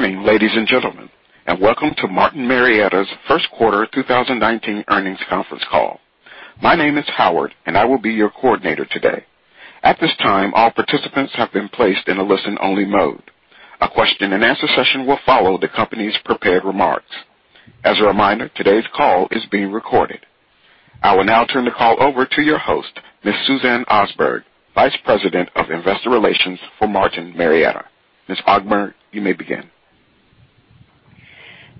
Good morning, ladies and gentlemen, and welcome to Martin Marietta's first quarter 2019 earnings conference call. My name is Howard, and I will be your coordinator today. At this time, all participants have been placed in a listen-only mode. A question and answer session will follow the company's prepared remarks. As a reminder, today's call is being recorded. I will now turn the call over to your host, Ms. Suzanne Osberg, Vice President of Investor Relations for Martin Marietta. Ms. Osberg, you may begin.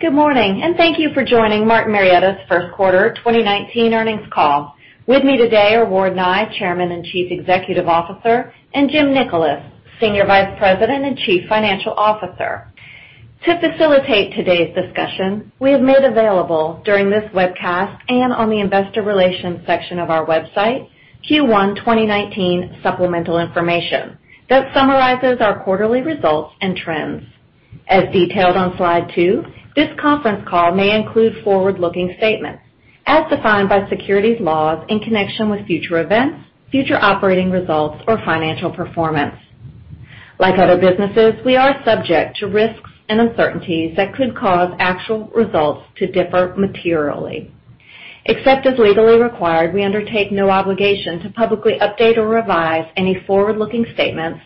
Good morning, and thank you for joining Martin Marietta's first quarter 2019 earnings call. With me today are Ward Nye, Chairman and Chief Executive Officer, and Jim Nickolas, Senior Vice President and Chief Financial Officer. To facilitate today's discussion, we have made available during this webcast and on the investor relations section of our website, Q1 2019 supplemental information that summarizes our quarterly results and trends. As detailed on Slide 2, this conference call may include forward-looking statements as defined by securities laws in connection with future events, future operating results, or financial performance. Like other businesses, we are subject to risks and uncertainties that could cause actual results to differ materially. Except as legally required, we undertake no obligation to publicly update or revise any forward-looking statements,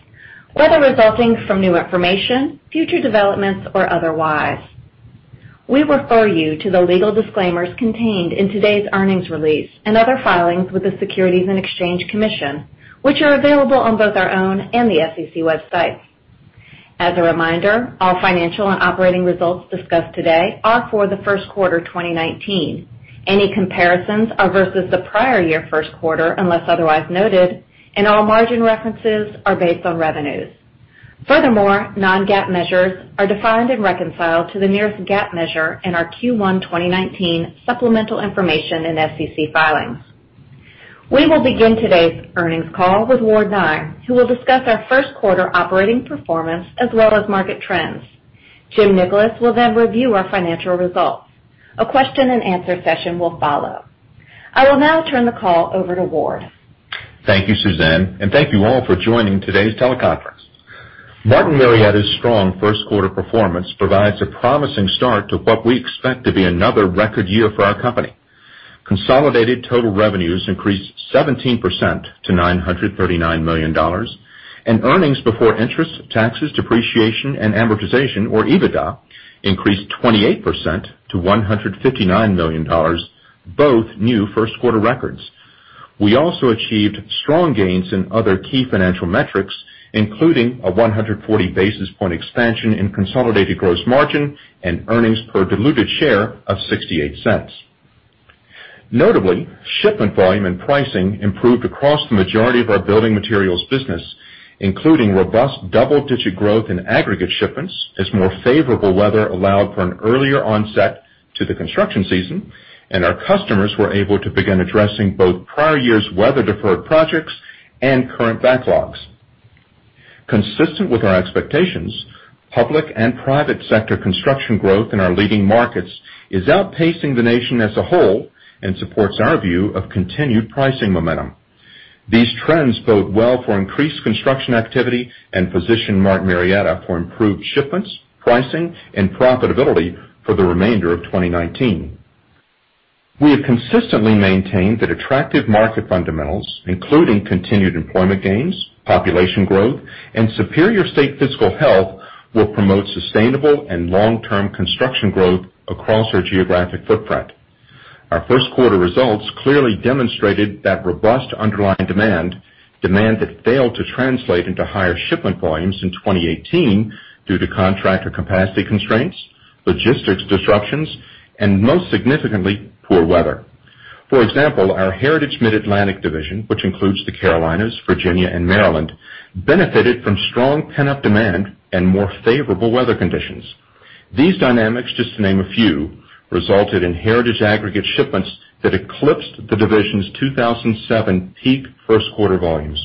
whether resulting from new information, future developments, or otherwise. We refer you to the legal disclaimers contained in today's earnings release and other filings with the Securities and Exchange Commission, which are available on both our own and the SEC websites. As a reminder, all financial and operating results discussed today are for the first quarter 2019. Any comparisons are versus the prior year first quarter, unless otherwise noted. All margin references are based on revenues. Furthermore, non-GAAP measures are defined and reconciled to the nearest GAAP measure in our Q1 2019 supplemental information and SEC filings. We will begin today's earnings call with Ward Nye, who will discuss our first quarter operating performance as well as market trends. Jim Nickolas will review our financial results. A question and answer session will follow. I will now turn the call over to Ward. Thank you, Suzanne, and thank you all for joining today's teleconference. Martin Marietta's strong first quarter performance provides a promising start to what we expect to be another record year for our company. Consolidated total revenues increased 17% to $939 million. Earnings before interest, taxes, depreciation, and amortization, or EBITDA, increased 28% to $159 million, both new first-quarter records. We also achieved strong gains in other key financial metrics, including a 140 basis point expansion in consolidated gross margin and earnings per diluted share of $0.68. Notably, shipment volume and pricing improved across the majority of our building materials business, including robust double-digit growth in aggregate shipments as more favorable weather allowed for an earlier onset to the construction season and our customers were able to begin addressing both prior year's weather-deferred projects and current backlogs. Consistent with our expectations, public and private sector construction growth in our leading markets is outpacing the nation as a whole and supports our view of continued pricing momentum. These trends bode well for increased construction activity and position Martin Marietta for improved shipments, pricing, and profitability for the remainder of 2019. We have consistently maintained that attractive market fundamentals, including continued employment gains, population growth, and superior state fiscal health, will promote sustainable and long-term construction growth across our geographic footprint. Our first quarter results clearly demonstrated that robust underlying demand that failed to translate into higher shipment volumes in 2018 due to contractor capacity constraints, logistics disruptions, and most significantly, poor weather. For example, our Heritage Mid-Atlantic division, which includes the Carolinas, Virginia, and Maryland, benefited from strong pent-up demand and more favorable weather conditions. These dynamics, just to name a few, resulted in Heritage aggregate shipments that eclipsed the division's 2007 peak first quarter volumes.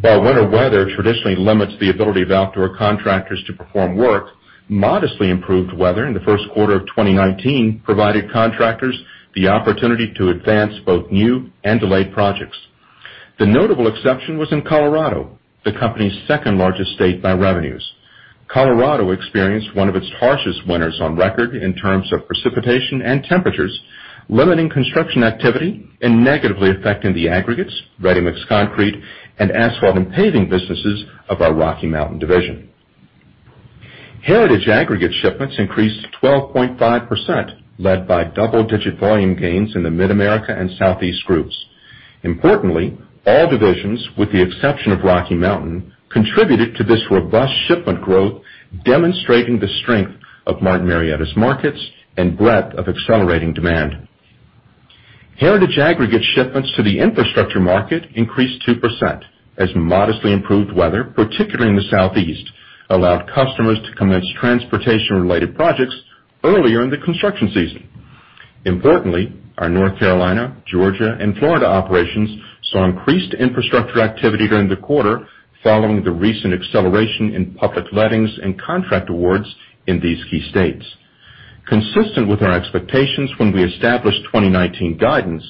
While winter weather traditionally limits the ability of outdoor contractors to perform work, modestly improved weather in the first quarter of 2019 provided contractors the opportunity to advance both new and delayed projects. The notable exception was in Colorado, the company's second-largest state by revenues. Colorado experienced one of its harshest winters on record in terms of precipitation and temperatures, limiting construction activity and negatively affecting the aggregates, ready-mix concrete, and asphalt and paving businesses of our Rocky Mountain division. Heritage aggregate shipments increased 12.5%, led by double-digit volume gains in the Mid-America and Southeast groups. All divisions, with the exception of Rocky Mountain, contributed to this robust shipment growth, demonstrating the strength of Martin Marietta's markets and breadth of accelerating demand. Heritage aggregate shipments to the infrastructure market increased 2% as modestly improved weather, particularly in the Southeast, allowed customers to commence transportation-related projects earlier in the construction season. Our North Carolina, Georgia, and Florida operations saw increased infrastructure activity during the quarter following the recent acceleration in public lettings and contract awards in these key states. Consistent with our expectations when we established 2019 guidance,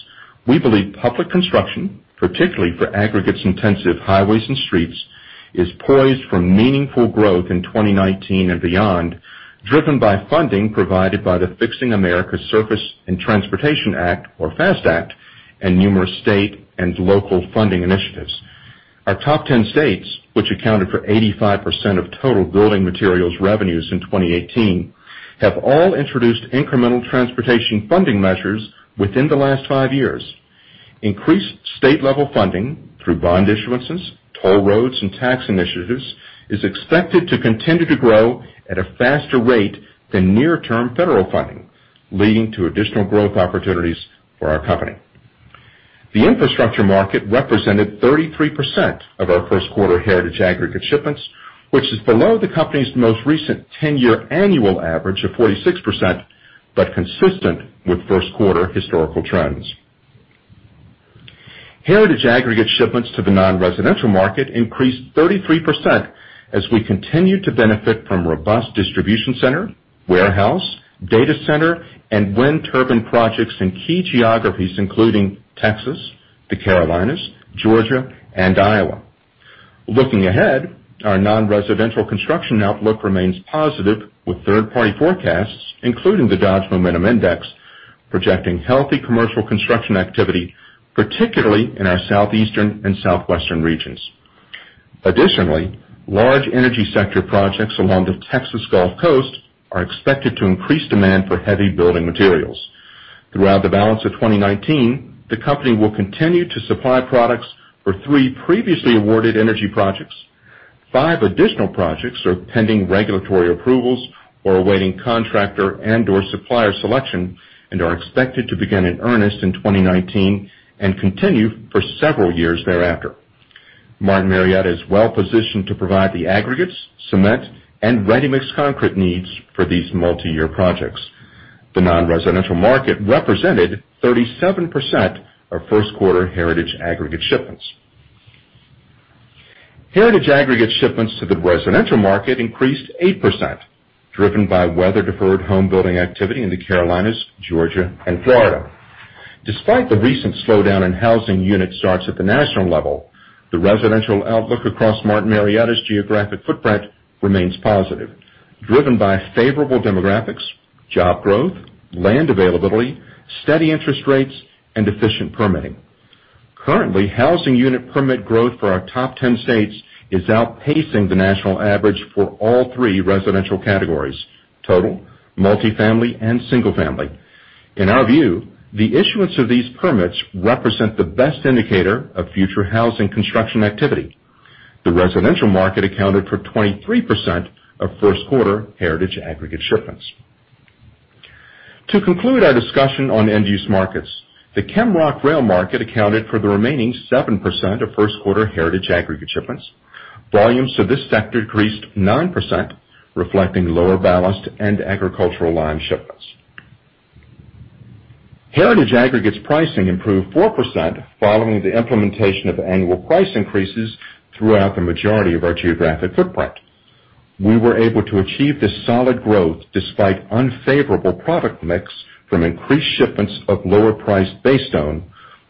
we believe public construction, particularly for aggregates intensive highways and streets, is poised for meaningful growth in 2019 and beyond, driven by funding provided by the Fixing America's Surface Transportation Act, or FAST Act, and numerous state and local funding initiatives. Our top 10 states, which accounted for 85% of total building materials revenues in 2018, have all introduced incremental transportation funding measures within the last five years. Increased state level funding through bond issuances, toll roads, and tax initiatives is expected to continue to grow at a faster rate than near-term federal funding, leading to additional growth opportunities for our company. The infrastructure market represented 33% of our first quarter Heritage aggregate shipments, which is below the company's most recent 10-year annual average of 46%, but consistent with first quarter historical trends. Heritage aggregate shipments to the non-residential market increased 33% as we continue to benefit from robust distribution center, warehouse, data center, and wind turbine projects in key geographies including Texas, the Carolinas, Georgia, and Iowa. Looking ahead, our non-residential construction outlook remains positive, with third party forecasts, including the Dodge Momentum Index, projecting healthy commercial construction activity, particularly in our Southeastern and Southwestern regions. Large energy sector projects along the Texas Gulf Coast are expected to increase demand for heavy building materials. Throughout the balance of 2019, the company will continue to supply products for three previously awarded energy projects. Five additional projects are pending regulatory approvals or awaiting contractor and or supplier selection, and are expected to begin in earnest in 2019 and continue for several years thereafter. Martin Marietta is well positioned to provide the aggregates, cement, and ready-mix concrete needs for these multi-year projects. The non-residential market represented 37% of first quarter Heritage aggregate shipments. Heritage aggregate shipments to the residential market increased 8%, driven by weather deferred home building activity in the Carolinas, Georgia, and Florida. Despite the recent slowdown in housing unit starts at the national level, the residential outlook across Martin Marietta's geographic footprint remains positive, driven by favorable demographics, job growth, land availability, steady interest rates, and efficient permitting. Currently, housing unit permit growth for our top 10 states is outpacing the national average for all three residential categories, total, multi-family, and single-family. In our view, the issuance of these permits represent the best indicator of future housing construction activity. The residential market accounted for 23% of first quarter Heritage aggregate shipments. To conclude our discussion on end use markets, the Rock & Rail market accounted for the remaining 7% of first quarter Heritage aggregate shipments. Volumes to this sector decreased 9%, reflecting lower ballast and agricultural lime shipments. Heritage aggregates pricing improved 4% following the implementation of annual price increases throughout the majority of our geographic footprint. We were able to achieve this solid growth despite unfavorable product mix from increased shipments of lower priced base stone,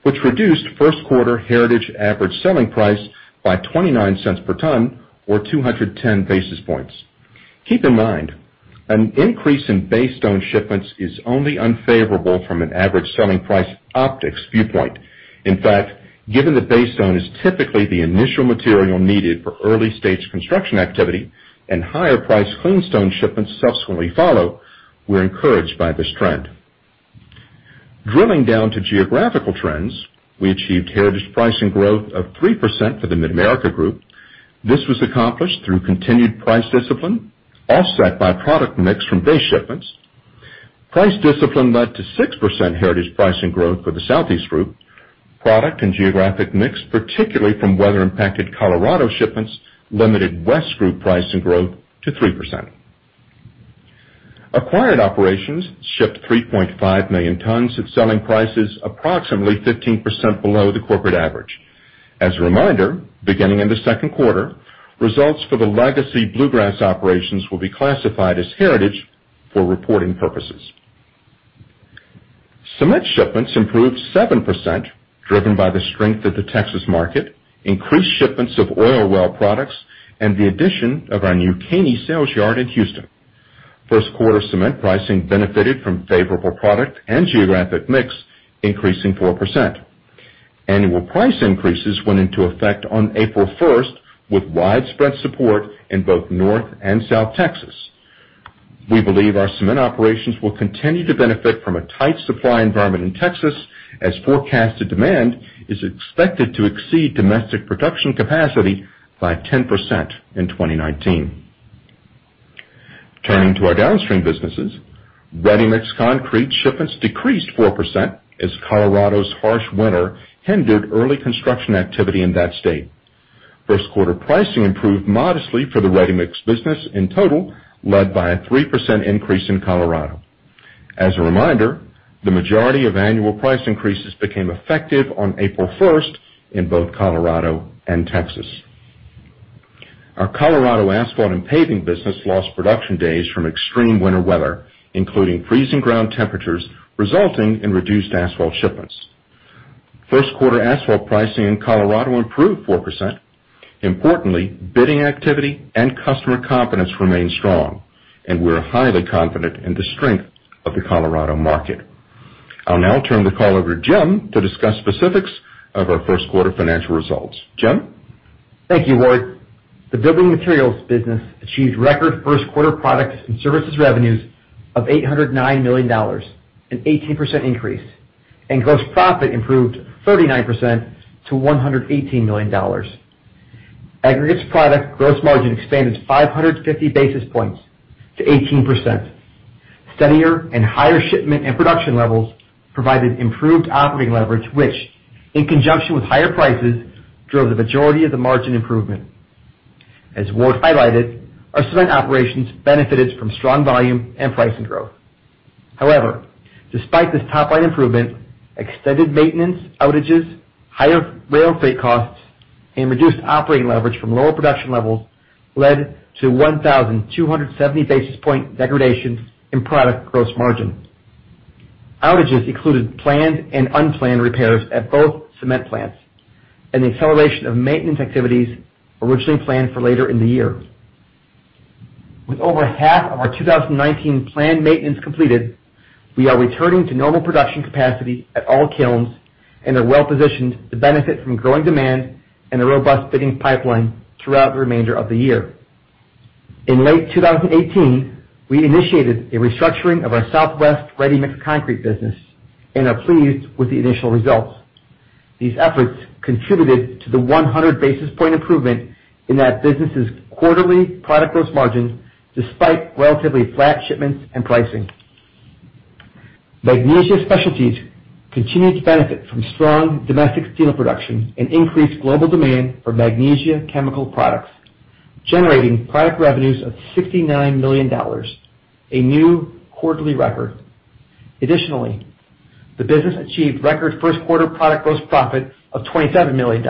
which reduced first quarter Heritage average selling price by $0.29 per ton or 210 basis points. Keep in mind, an increase in base stone shipments is only unfavorable from an average selling price optics viewpoint. In fact, given that base stone is typically the initial material needed for early stage construction activity and higher priced clean stone shipments subsequently follow, we're encouraged by this trend. Drilling down to geographical trends, we achieved Heritage pricing growth of 3% for the Mid-America Group. This was accomplished through continued price discipline, offset by product mix from base shipments. Price discipline led to 6% Heritage pricing growth for the Southeast Group. Product and geographic mix, particularly from weather impacted Colorado shipments, limited West Group pricing growth to 3%. Acquired operations shipped 3.5 million tons at selling prices approximately 15% below the corporate average. As a reminder, beginning in the second quarter, results for the legacy Bluegrass operations will be classified as Heritage for reporting purposes. Cement shipments improved 7%, driven by the strength of the Texas market, increased shipments of oil well products, and the addition of our New Caney sales yard in Houston. First quarter cement pricing benefited from favorable product and geographic mix, increasing 4%. Annual price increases went into effect on April 1st, with widespread support in both North and South Texas. We believe our cement operations will continue to benefit from a tight supply environment in Texas, as forecasted demand is expected to exceed domestic production capacity by 10% in 2019. Turning to our downstream businesses, ready-mix concrete shipments decreased 4% as Colorado's harsh winter hindered early construction activity in that state. First quarter pricing improved modestly for the ready-mix business in total, led by a 3% increase in Colorado. As a reminder, the majority of annual price increases became effective on April 1st in both Colorado and Texas. Our Colorado asphalt and paving business lost production days from extreme winter weather, including freezing ground temperatures, resulting in reduced asphalt shipments. First quarter asphalt pricing in Colorado improved 4%. Importantly, bidding activity and customer confidence remain strong, and we're highly confident in the strength of the Colorado market. I'll now turn the call over to Jim to discuss specifics of our first quarter financial results. Jim? Thank you, Ward. The building materials business achieved record first quarter products and services revenues of $809 million, an 18% increase, and gross profit improved 39% to $118 million. Aggregates product gross margin expanded 550 basis points to 18%. Steadier and higher shipment and production levels provided improved operating leverage, which, in conjunction with higher prices, drove the majority of the margin improvement. As Ward highlighted, our cement operations benefited from strong volume and pricing growth. However, despite this top-line improvement, extended maintenance outages, higher rail freight costs, and reduced operating leverage from lower production levels led to 1,270 basis point degradation in product gross margin. Outages included planned and unplanned repairs at both cement plants and the acceleration of maintenance activities originally planned for later in the year. With over half of our 2019 planned maintenance completed, we are returning to normal production capacity at all kilns and are well-positioned to benefit from growing demand and a robust bidding pipeline throughout the remainder of the year. In late 2018, we initiated a restructuring of our southwest ready-mix concrete business and are pleased with the initial results. These efforts contributed to the 100 basis point improvement in that business's quarterly product gross margin, despite relatively flat shipments and pricing. Magnesia Specialties continued to benefit from strong domestic steel production and increased global demand for magnesia chemical products, generating product revenues of $69 million, a new quarterly record. Additionally, the business achieved record first quarter product gross profit of $27 million.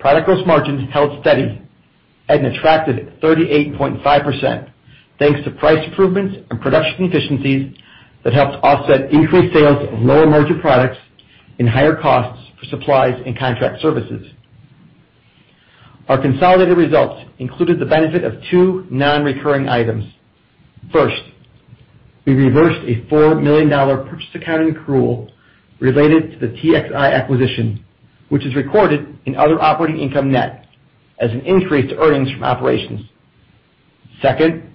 Product gross margin held steady at an attractive 38.5%, thanks to price improvements and production efficiencies that helped offset increased sales of lower-margin products and higher costs for supplies and contract services. Our consolidated results included the benefit of two non-recurring items. First, we reversed a $4 million purchase accounting accrual related to the TXI acquisition, which is recorded in other operating income net as an increase to earnings from operations. Second,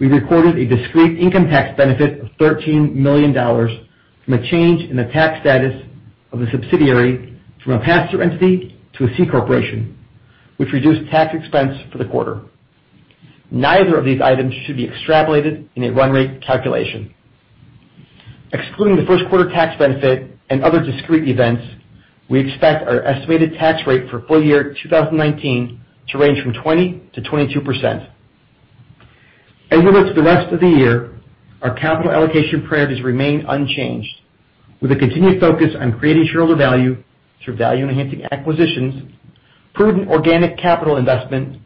we recorded a discrete income tax benefit of $13 million from a change in the tax status of a subsidiary from a pass-through entity to a C corporation, which reduced tax expense for the quarter. Neither of these items should be extrapolated in a run rate calculation. Excluding the first quarter tax benefit and other discrete events, we expect our estimated tax rate for full year 2019 to range from 20%-22%. With the rest of the year, our capital allocation priorities remain unchanged, with a continued focus on creating shareholder value through value-enhancing acquisitions, prudent organic capital investment,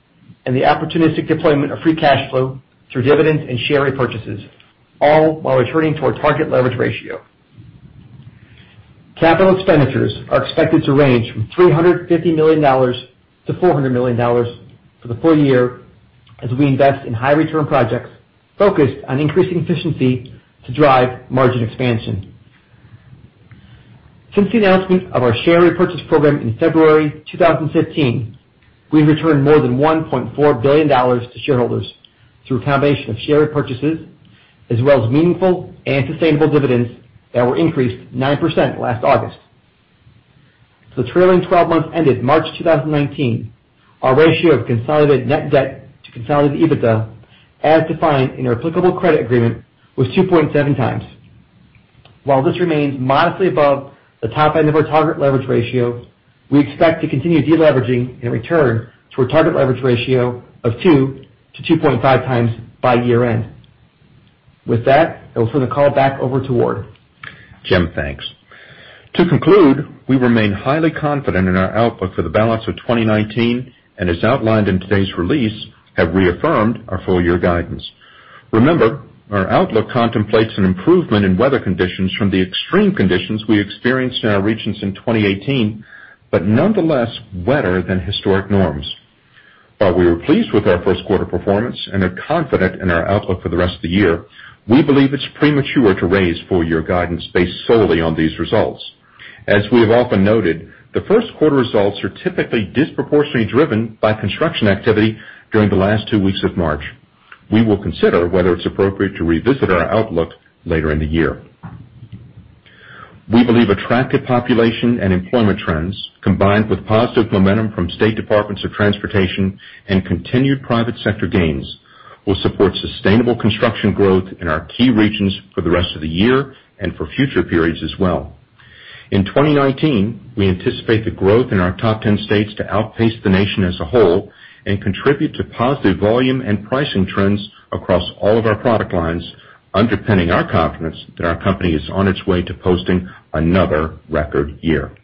and the opportunistic deployment of free cash flow through dividends and share repurchases, all while returning to our target leverage ratio. Capital expenditures are expected to range from $350 million-$400 million for the full year as we invest in high-return projects focused on increasing efficiency to drive margin expansion. Since the announcement of our share repurchase program in February 2015, we've returned more than $1.4 billion to shareholders through a combination of share repurchases, as well as meaningful and sustainable dividends that were increased 9% last August. For the trailing 12 months ended March 2019, our ratio of consolidated net debt to consolidated EBITDA, as defined in our applicable credit agreement, was 2.7 times. While this remains modestly above the top end of our target leverage ratio, we expect to continue de-leveraging and return to a target leverage ratio of 2 to 2.5 times by year-end. With that, I will turn the call back over to Ward. Jim, thanks. To conclude, we remain highly confident in our outlook for the balance of 2019, and as outlined in today's release, have reaffirmed our full year guidance. Remember, our outlook contemplates an improvement in weather conditions from the extreme conditions we experienced in our regions in 2018, but nonetheless wetter than historic norms. While we were pleased with our first quarter performance and are confident in our outlook for the rest of the year, we believe it's premature to raise full year guidance based solely on these results. As we have often noted, the first quarter results are typically disproportionately driven by construction activity during the last 2 weeks of March. We will consider whether it's appropriate to revisit our outlook later in the year. We believe attractive population and employment trends, combined with positive momentum from state departments of transportation and continued private sector gains, will support sustainable construction growth in our key regions for the rest of the year and for future periods as well. In 2019, we anticipate the growth in our top 10 states to outpace the nation as a whole and contribute to positive volume and pricing trends across all of our product lines, underpinning our confidence that our company is on its way to posting another record year.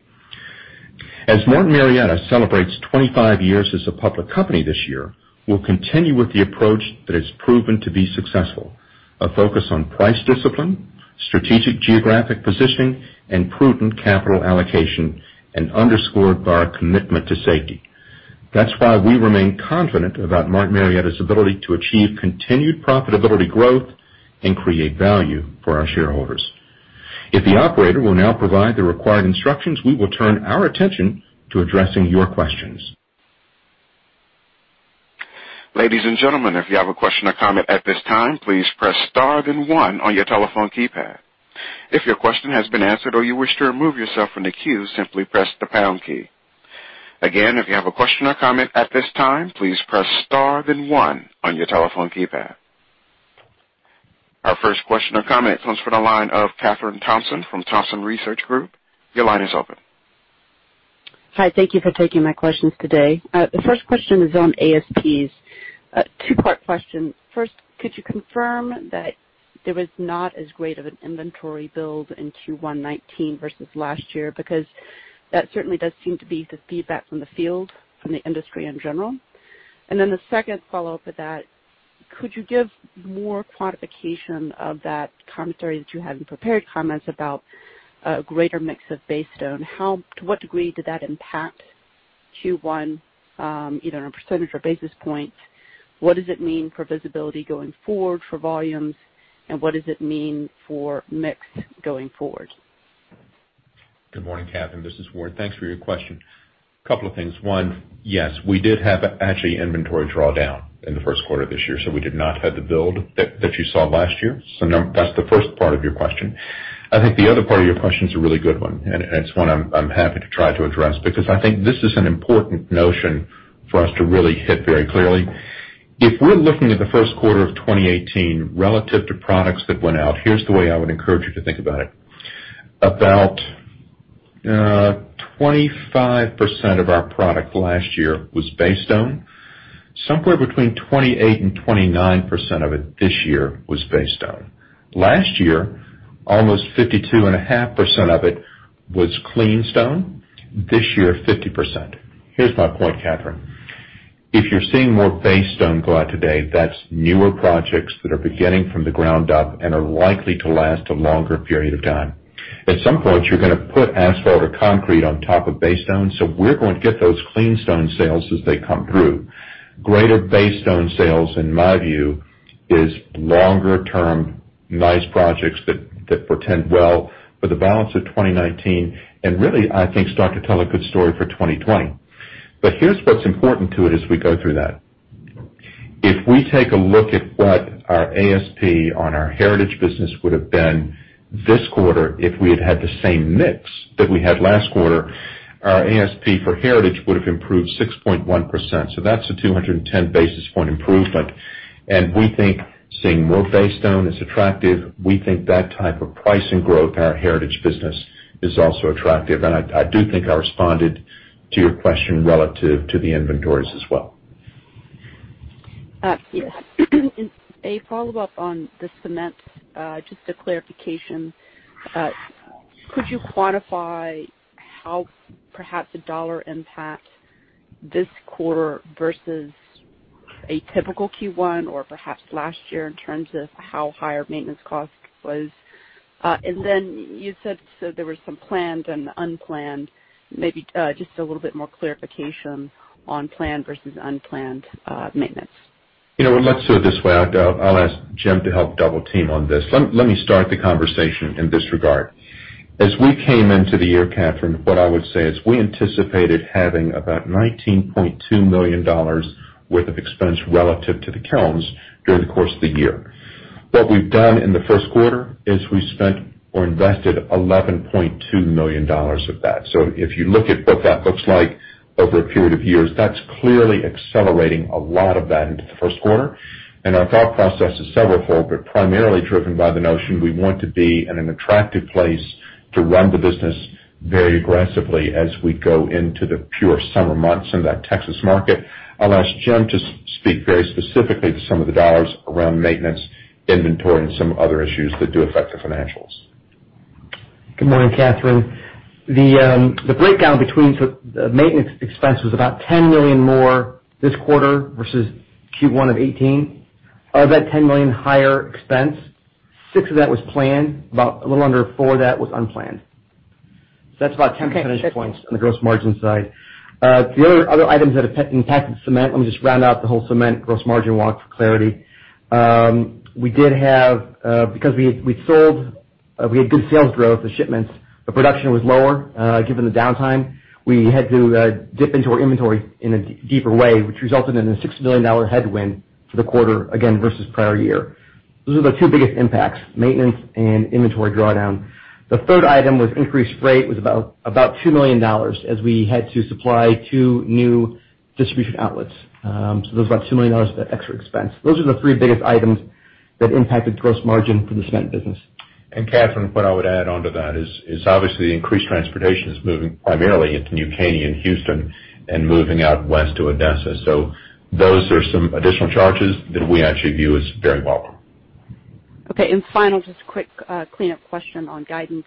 As Martin Marietta celebrates 25 years as a public company this year, we'll continue with the approach that has proven to be successful. A focus on price discipline, strategic geographic positioning, and prudent capital allocation, and underscored by our commitment to safety. That's why we remain confident about Martin Marietta's ability to achieve continued profitability growth and create value for our shareholders. If the operator will now provide the required instructions, we will turn our attention to addressing your questions. Ladies and gentlemen, if you have a question or comment at this time, please press star then one on your telephone keypad. If your question has been answered or you wish to remove yourself from the queue, simply press the pound key. Again, if you have a question or comment at this time, please press star then one on your telephone keypad. Our first question or comment comes from the line of Kathryn Thompson from Thompson Research Group. Your line is open. Hi. Thank you for taking my questions today. The first question is on ASPs. Two-part question. First, could you confirm that there was not as great of an inventory build in Q1 2019 versus last year? That certainly does seem to be the feedback from the field, from the industry in general. The second follow-up to that, could you give more quantification of that commentary that you have in prepared comments about a greater mix of base stone? To what degree did that impact Q1, either in a percentage or basis point? What does it mean for visibility going forward for volumes, and what does it mean for mix going forward? Good morning, Kathryn. This is Ward. Thanks for your question. Couple of things. One, yes, we did have actually inventory drawdown in the first quarter of this year, so we did not have the build that you saw last year. That's the first part of your question. I think the other part of your question is a really good one, and it's one I'm happy to try to address, because I think this is an important notion for us to really hit very clearly. If we're looking at the first quarter of 2018 relative to products that went out, here's the way I would encourage you to think about it. About, 25% of our product last year was base stone. Somewhere between 28% and 29% of it this year was base stone. Last year, almost 52.5% of it was clean stone. This year, 50%. Here's my point, Kathryn. If you're seeing more base stone go out today, that's newer projects that are beginning from the ground up and are likely to last a longer period of time. At some point, you're gonna put asphalt or concrete on top of base stone, so we're going to get those clean stone sales as they come through. Greater base stone sales, in my view, is longer term, nice projects that portend well for the balance of 2019, and really, I think, start to tell a good story for 2020. Here's what's important to it as we go through that. If we take a look at what our ASP on our Heritage business would have been this quarter if we had had the same mix that we had last quarter, our ASP for Heritage would have improved 6.1%. So that's a 210 basis point improvement. We think seeing more base stone is attractive. We think that type of pricing growth in our Heritage business is also attractive. I do think I responded to your question relative to the inventories as well. Yes. A follow-up on the cement, just a clarification. Could you quantify how perhaps a dollar impact this quarter versus a typical Q1 or perhaps last year in terms of how high our maintenance cost was? Then you said there was some planned and unplanned. Maybe just a little bit more clarification on planned versus unplanned maintenance. Well, let's do it this way. I'll ask Jim to help double-team on this. Let me start the conversation in this regard. As we came into the year, Kathryn, what I would say is we anticipated having about $19.2 million worth of expense relative to the kilns during the course of the year. What we've done in the first quarter is we spent or invested $11.2 million of that. If you look at what that looks like over a period of years, that's clearly accelerating a lot of that into the first quarter. Our thought process is severalfold, but primarily driven by the notion we want to be in an attractive place to run the business very aggressively as we go into the pure summer months in that Texas market. I'll ask Jim to speak very specifically to some of the dollars around maintenance, inventory, and some other issues that do affect the financials. Good morning, Kathryn. The breakdown between the maintenance expense was about $10 million more this quarter versus Q1 of 2018. Of that $10 million higher expense, six of that was planned, about a little under four of that was unplanned. That's about 10 percentage points on the gross margin side. The other items that have impacted cement, let me just round out the whole cement gross margin walk for clarity. We had good sales growth with shipments, but production was lower given the downtime, we had to dip into our inventory in a deeper way, which resulted in a $6 million headwind for the quarter, again, versus prior year. Those are the two biggest impacts, maintenance and inventory drawdown. The third item was increased rate, was about $2 million as we had to supply two new distribution outlets. Those are about $2 million of extra expense. Those are the three biggest items that impacted gross margin for the cement business. Kathryn, what I would add onto that is obviously increased transportation is moving primarily into New Caney in Houston and moving out west to Odessa. Those are some additional charges that we actually view as very welcome. Final, just a quick cleanup question on guidance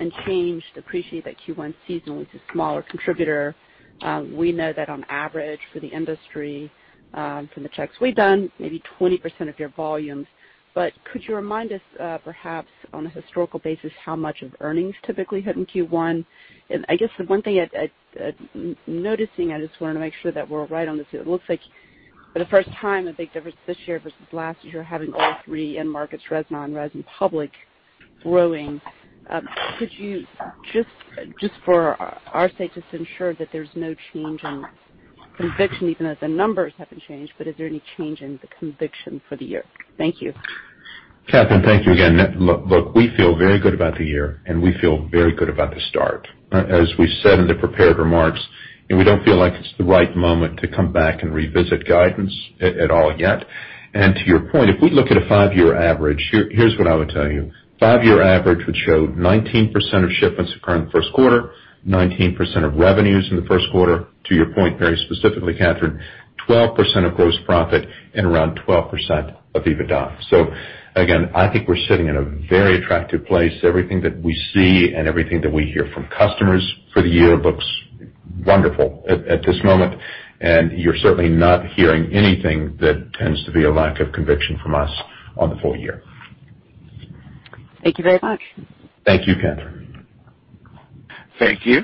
and change. Appreciate that Q1 seasonally is a smaller contributor. We know that on average for the industry, from the checks we've done, maybe 20% of your volumes. Could you remind us, perhaps on a historical basis, how much of earnings typically hit in Q1? I guess the one thing I'm noticing, I just want to make sure that we're right on this, too. It looks like for the first time, a big difference this year versus last year, having all three end markets, res and non-res, and public growing. Could you, just for our sake, just ensure that there's no change in conviction, even as the numbers haven't changed, but is there any change in the conviction for the year? Thank you. Kathryn, thank you again. Look, we feel very good about the year, and we feel very good about the start. As we said in the prepared remarks, we don't feel like it's the right moment to come back and revisit guidance at all yet. To your point, if we look at a five-year average, here's what I would tell you. Five-year average would show 19% of shipments occurring in the first quarter, 19% of revenues in the first quarter. To your point, very specifically, Kathryn, 12% of gross profit and around 12% of EBITDA. Again, I think we're sitting in a very attractive place. Everything that we see and everything that we hear from customers for the year looks wonderful at this moment, and you're certainly not hearing anything that tends to be a lack of conviction from us on the full year. Thank you very much. Thank you, Kathryn. Thank you.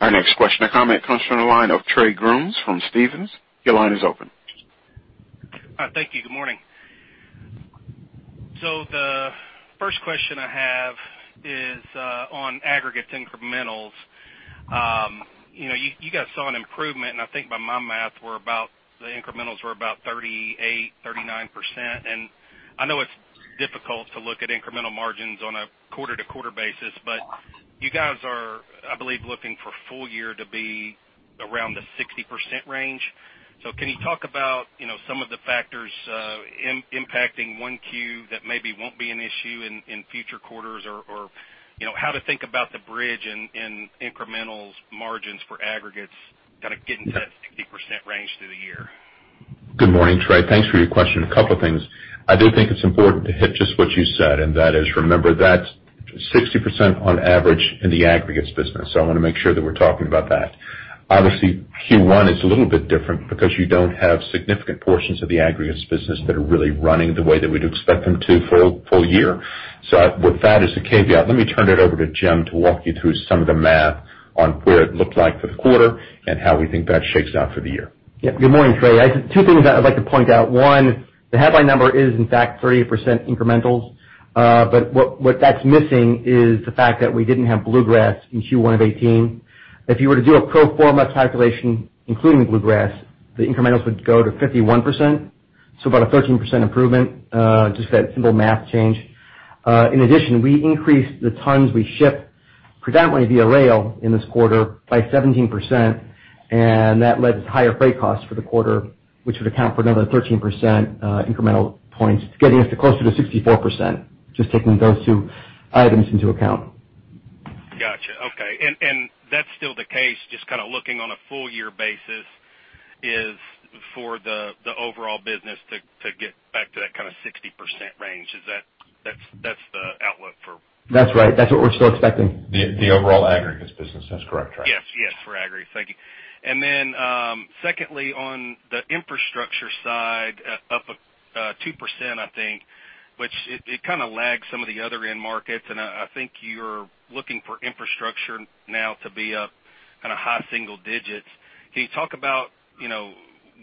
Our next question or comment comes from the line of Trey Grooms from Stephens. Your line is open. The first question I have is on aggregates incrementals. You guys saw an improvement. I think by my math, the incrementals were about 38%, 39%. I know it's difficult to look at incremental margins on a quarter-to-quarter basis, but you guys are, I believe, looking for full year to be around the 60% range. Can you talk about some of the factors impacting 1Q that maybe won't be an issue in future quarters or how to think about the bridge in incremental margins for aggregates, kind of getting to that 60% range through the year? Good morning, Trey. Thanks for your question. A couple of things. I do think it's important to hit just what you said, and that is, remember, that's 60% on average in the aggregates business. I want to make sure that we're talking about that. Obviously, 1Q is a little bit different because you don't have significant portions of the aggregates business that are really running the way that we'd expect them to full year. With that as a caveat, let me turn it over to Jim to walk you through some of the math on where it looked like for the quarter and how we think that shakes out for the year. Yep. Good morning, Trey. Two things I'd like to point out. One, the headline number is, in fact, 30% incrementals. What that's missing is the fact that we didn't have Bluegrass in 1Q of 2018. If you were to do a pro forma calculation including Bluegrass, the incrementals would go to 51%. About a 13% improvement, just that simple math change. In addition, we increased the tons we ship predominantly via rail in this quarter by 17%, that led to higher freight costs for the quarter, which would account for another 13% incremental points, getting us to closer to 64%, just taking those two items into account. Got you. Okay. That's still the case, just kind of looking on a full year basis, is for the overall business to get back to that kind of 60% range. That's the outlook for- That's right. That's what we're still expecting. The overall aggregates business. That's correct, Trey. Yes, for aggregates. Thank you. Secondly, on the infrastructure side, up 2%, I think, which it kind of lags some of the other end markets, and I think you're looking for infrastructure now to be up kind of high single digits. Can you talk about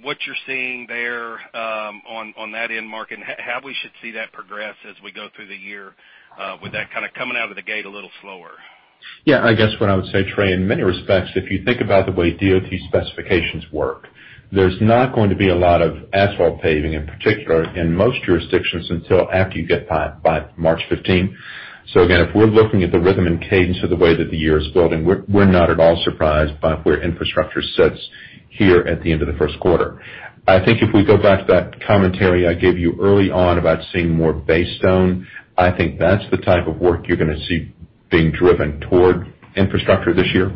what you're seeing there on that end market and how we should see that progress as we go through the year with that kind of coming out of the gate a little slower? Yeah, I guess what I would say, Trey, in many respects, if you think about the way DOT specifications work, there's not going to be a lot of asphalt paving, in particular in most jurisdictions, until after you get by March 15. Again, if we're looking at the rhythm and cadence of the way that the year is building, we're not at all surprised by where infrastructure sits here at the end of the first quarter. I think if we go back to that commentary I gave you early on about seeing more base stone, I think that's the type of work you're going to see being driven toward infrastructure this year.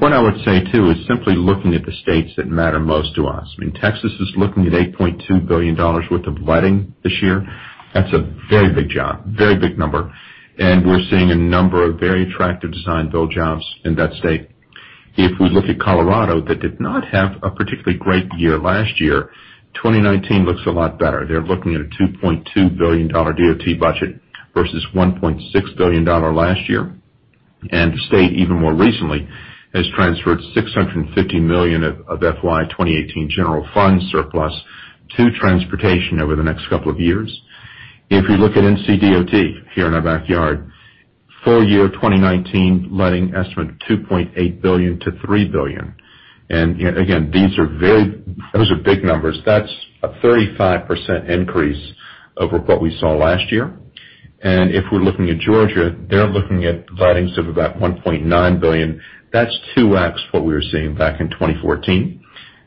What I would say, too, is simply looking at the states that matter most to us. I mean, Texas is looking at $8.2 billion worth of letting this year. That's a very big job, very big number. We're seeing a number of very attractive design-build jobs in that state. If we look at Colorado, that did not have a particularly great year last year, 2019 looks a lot better. They're looking at a $2.2 billion DOT budget versus $1.6 billion last year. The state, even more recently, has transferred $650 million of FY 2018 general fund surplus to transportation over the next couple of years. If you look at NCDOT, here in our backyard, full year 2019 letting estimate of $2.8 billion-$3 billion. Again, those are big numbers. That's a 35% increase over what we saw last year. If we're looking at Georgia, they're looking at lettings of about $1.9 billion. That's two X what we were seeing back in 2014.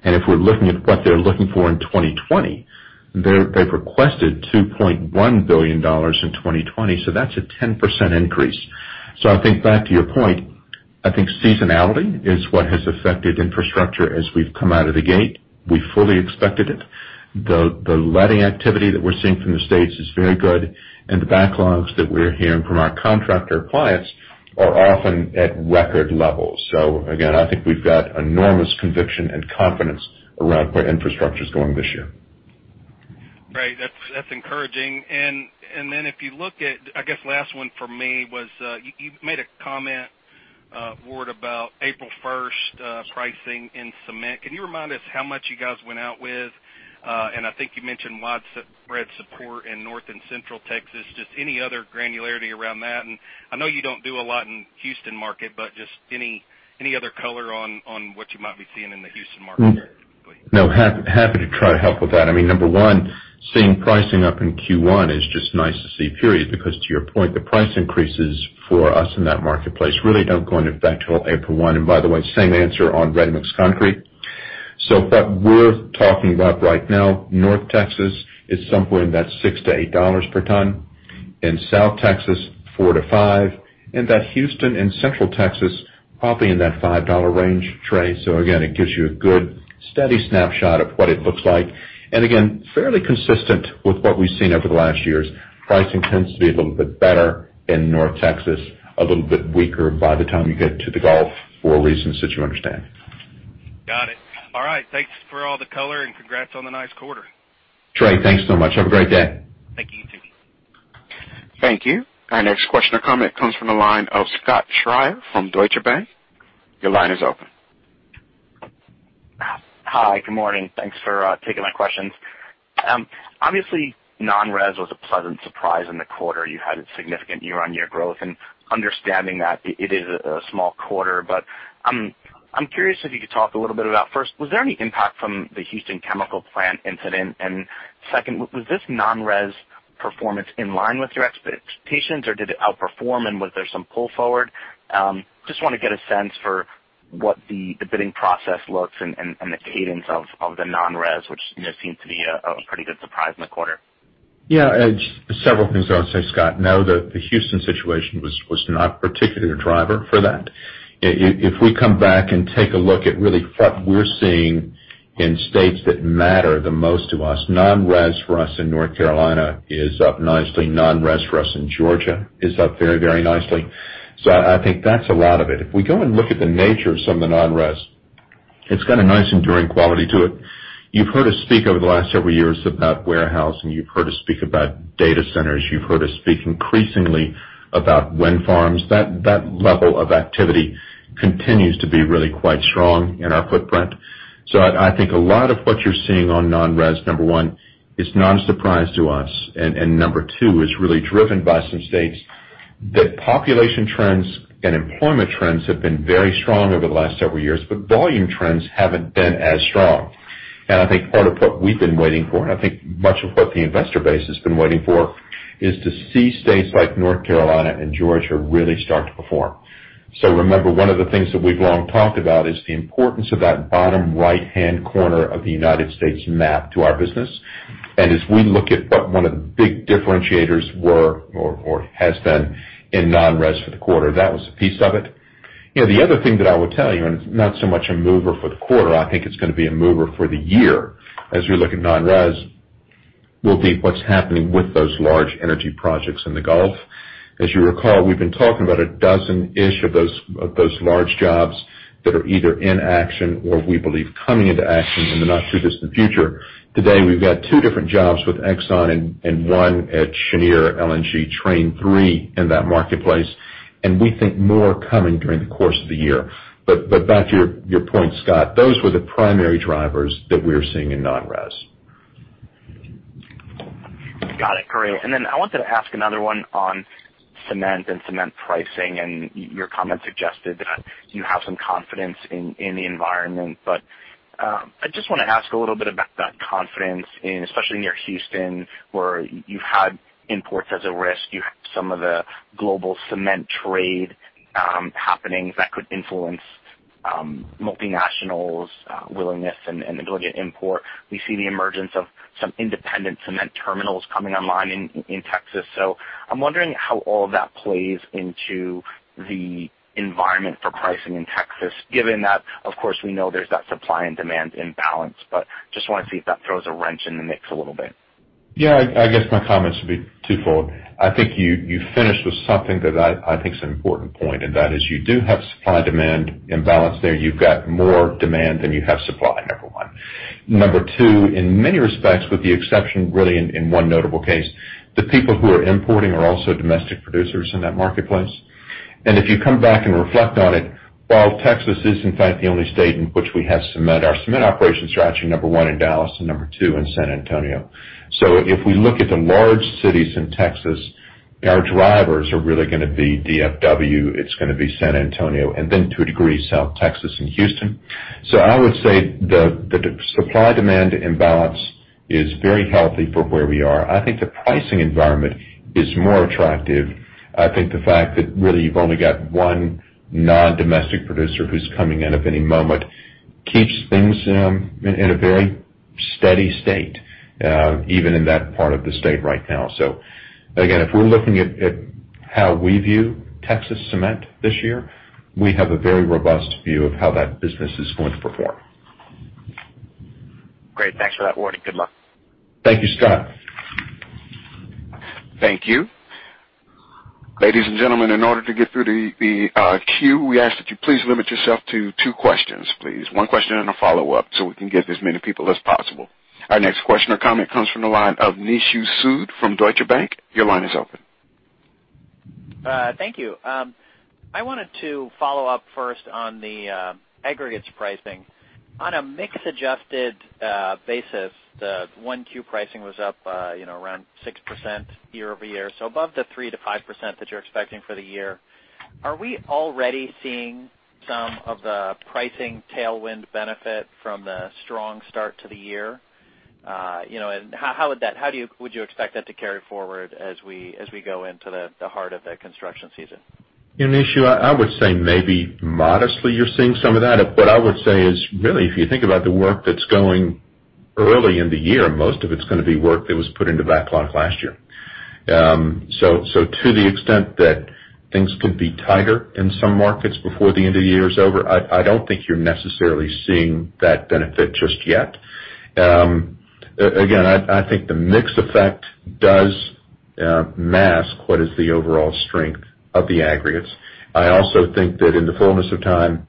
If we're looking at what they're looking for in 2020, they've requested $2.1 billion in 2020, that's a 10% increase. I think back to your point, I think seasonality is what has affected infrastructure as we've come out of the gate. We fully expected it. The letting activity that we're seeing from the states is very good, and the backlogs that we're hearing from our contractor clients are often at record levels. Again, I think we've got enormous conviction and confidence around where infrastructure's going this year. Right. That's encouraging. If you look at, I guess, last one for me was, you made a comment, Ward, about April 1st pricing in cement. Can you remind us how much you guys went out with? I think you mentioned widespread support in North and Central Texas. Just any other granularity around that? I know you don't do a lot in Houston market, but just any other color on what you might be seeing in the Houston market? No, happy to try to help with that. I mean, number one, seeing pricing up in Q1 is just nice to see, period, because to your point, the price increases for us in that marketplace really don't go into effect till April one. By the way, same answer on ready-mix concrete. What we're talking about right now, North Texas is somewhere in that $6 to $8 per ton, in South Texas, $4 to $5, and that Houston and Central Texas, probably in that $5 range, Trey. Again, it gives you a good steady snapshot of what it looks like. Again, fairly consistent with what we've seen over the last years. Pricing tends to be a little bit better in North Texas, a little bit weaker by the time you get to the Gulf, for reasons that you understand. Got it. All right. Thanks for all the color, and congrats on the nice quarter. Trey, thanks so much. Have a great day. Thank you. You too. Thank you. Our next question or comment comes from the line of Scott Schrier from Deutsche Bank. Your line is open. Hi. Good morning. Thanks for taking my questions. Obviously, non-res was a pleasant surprise in the quarter. You had a significant year-on-year growth. Understanding that it is a small quarter, but I'm curious if you could talk a little bit about, first, was there any impact from the Houston chemical plant incident? Second, was this non-res performance in line with your expectations, or did it outperform, and was there some pull forward? Just want to get a sense for what the bidding process looks and the cadence of the non-res, which seems to be a pretty good surprise in the quarter. Yeah. Just several things I would say, Scott. No, the Houston situation was not particularly a driver for that. If we come back and take a look at really what we're seeing in states that matter the most to us, non-res for us in North Carolina is up nicely. Non-res for us in Georgia is up very, very nicely. I think that's a lot of it. If we go and look at the nature of some of the non-res, it's got a nice enduring quality to it. You've heard us speak over the last several years about warehouse, you've heard us speak about data centers. You've heard us speak increasingly about wind farms. That level of activity continues to be really quite strong in our footprint. I think a lot of what you're seeing on non-res, number 1, is not a surprise to us. Number 2, is really driven by some states that population trends and employment trends have been very strong over the last several years, but volume trends haven't been as strong. I think part of what we've been waiting for, and I think much of what the investor base has been waiting for, is to see states like North Carolina and Georgia really start to perform. Remember, one of the things that we've long talked about is the importance of that bottom right-hand corner of the U.S. map to our business. As we look at what one of the big differentiators were or has been in non-res for the quarter, that was a piece of it. The other thing that I would tell you, it's not so much a mover for the quarter, I think it's going to be a mover for the year as you look at non-res, will be what's happening with those large energy projects in the Gulf. As you recall, we've been talking about a dozen-ish of those large jobs that are either in action or we believe coming into action in the not-too-distant future. Today, we've got two different jobs with Exxon and one at Cheniere LNG, Train 3 in that marketplace, and we think more coming during the course of the year. Back to your point, Scott, those were the primary drivers that we're seeing in non-res. Got it. Great. Then I wanted to ask another one on cement and cement pricing. Your comment suggested that you have some confidence in the environment. I just want to ask a little bit about that confidence in, especially near Houston, where you've had imports as a risk. You have some of the global cement trade happenings that could influence multinationals' willingness and ability to import. We see the emergence of some independent cement terminals coming online in Texas. I'm wondering how all of that plays into the environment for pricing in Texas, given that, of course, we know there's that supply and demand imbalance, just want to see if that throws a wrench in the mix a little bit. I guess my comments would be twofold. I think you finished with something that I think is an important point, that is you do have supply-demand imbalance there. You've got more demand than you have supply, number one. Number two, in many respects, with the exception really in one notable case, the people who are importing are also domestic producers in that marketplace. If you come back and reflect on it, while Texas is in fact the only state in which we have cement, our cement operations are actually, number one in Dallas, and number two in San Antonio. If we look at the large cities in Texas, our drivers are really gonna be DFW, it's gonna be San Antonio, and then to a degree, South Texas and Houston. I would say the supply-demand imbalance is very healthy for where we are. I think the pricing environment is more attractive. I think the fact that really you've only got one non-domestic producer who's coming in at any moment, keeps things in a very steady state even in that part of the state right now. Again, if we're looking at how we view Texas Cement this year, we have a very robust view of how that business is going to perform. Great. Thanks for that, Ward. Good luck. Thank you, Scott. Thank you. Ladies and gentlemen, in order to get through the queue, we ask that you please limit yourself to two questions, please. One question and a follow-up so we can get as many people as possible. Our next question or comment comes from the line of Nishu Sood from Deutsche Bank. Your line is open. Thank you. I wanted to follow up first on the aggregates pricing. On a mix-adjusted basis, the 1Q pricing was up around 6% year-over-year. Above the 3%-5% that you're expecting for the year. Are we already seeing some of the pricing tailwind benefit from the strong start to the year? How would you expect that to carry forward as we go into the heart of the construction season? Nishu, I would say maybe modestly you're seeing some of that. I would say is really, if you think about the work that's going early in the year, most of it's going to be work that was put into backlog last year. To the extent that things could be tighter in some markets before the end of the year is over, I don't think you're necessarily seeing that benefit just yet. Again, I think the mix effect does mask what is the overall strength of the aggregates. I also think that in the fullness of time,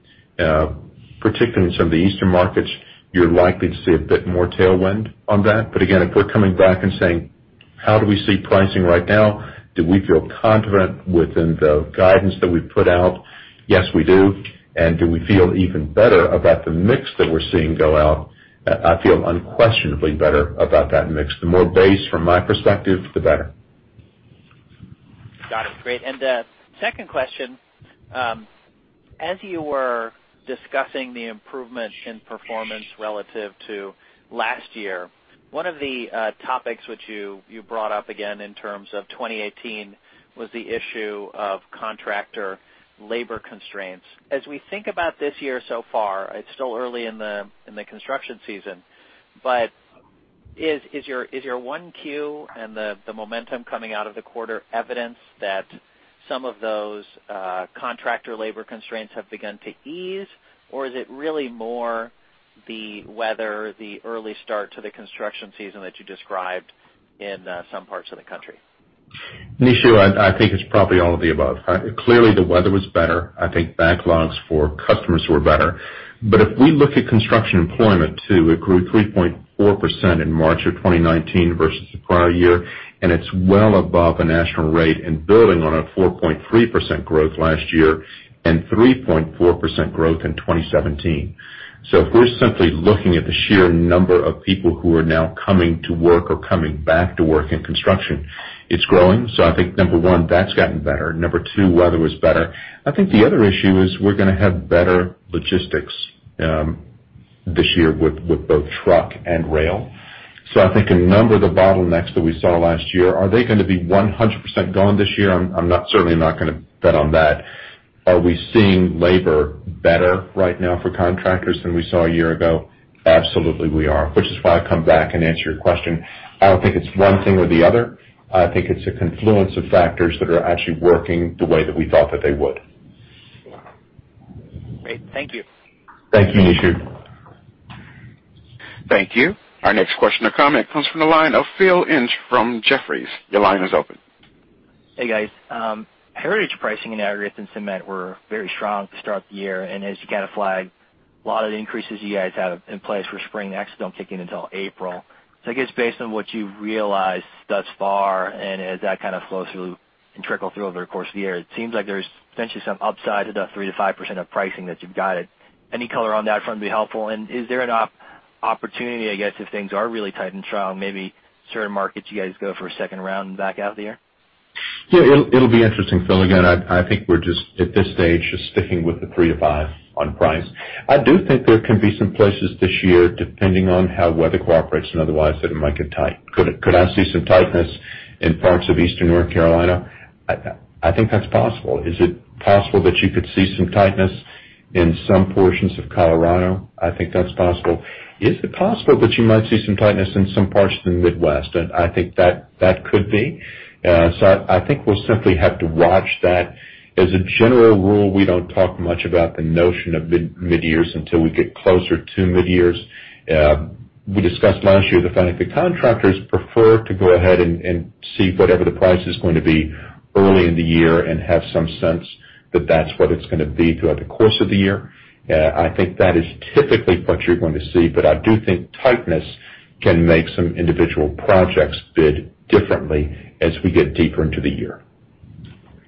particularly in some of the Eastern markets, you're likely to see a bit more tailwind on that. Again, if we're coming back and saying, how do we see pricing right now? Do we feel confident within the guidance that we've put out? Yes, we do. Do we feel even better about the mix that we're seeing go out? I feel unquestionably better about that mix. The more base from my perspective, the better. Got it. Great. Second question. As you were discussing the improvement in performance relative to last year, one of the topics which you brought up again in terms of 2018 was the issue of contractor labor constraints. As we think about this year so far, it's still early in the construction season, but is your 1Q and the momentum coming out of the quarter evidence that some of those contractor labor constraints have begun to ease? Or is it really more the weather, the early start to the construction season that you described in some parts of the country? Nishu, I think it's probably all of the above. Clearly, the weather was better. I think backlogs for customers were better. If we look at construction employment too, it grew 3.4% in March of 2019 versus the prior year, it's well above the national rate and building on a 4.3% growth last year and 3.4% growth in 2017. If we're simply looking at the sheer number of people who are now coming to work or coming back to work in construction, it's growing. I think number 1, that's gotten better. Number 2, weather was better. I think the other issue is we're going to have better logistics this year with both truck and rail. I think a number of the bottlenecks that we saw last year, are they going to be 100% gone this year? I'm certainly not going to bet on that. Are we seeing labor better right now for contractors than we saw a year ago? Absolutely we are, which is why I come back and answer your question. I don't think it's one thing or the other. I think it's a confluence of factors that are actually working the way that we thought that they would. Great. Thank you. Thank you, Nishu. Thank you. Our next question or comment comes from the line of Philip Ng from Jefferies. Your line is open. Hey, guys. Heritage pricing in aggregates and cement were very strong to start the year. As you kind of flagged, a lot of the increases you guys have in place for spring next don't kick in until April. I guess based on what you've realized thus far and as that kind of flows through and trickle through over the course of the year, it seems like there's potentially some upside to the 3%-5% of pricing that you've guided. Any color on that front would be helpful. Is there an opportunity, I guess, if things are really tight and strong, maybe certain markets you guys go for a second round back out of the year? Yeah, it'll be interesting, Phil. Again, I think we're just at this stage, just sticking with the 3%-5% on price. I do think there can be some places this year, depending on how weather cooperates and otherwise, that it might get tight. Could I see some tightness in parts of Eastern North Carolina? I think that's possible. Is it possible that you could see some tightness in some portions of Colorado? I think that's possible. Is it possible that you might see some tightness in some parts of the Midwest? I think that could be. I think we'll simply have to watch that. As a general rule, we don't talk much about the notion of midyears until we get closer to midyears. We discussed last year the fact that contractors prefer to go ahead and see whatever the price is going to be early in the year and have some sense that that's what it's going to be throughout the course of the year. I think that is typically what you're going to see, but I do think tightness can make some individual projects bid differently as we get deeper into the year.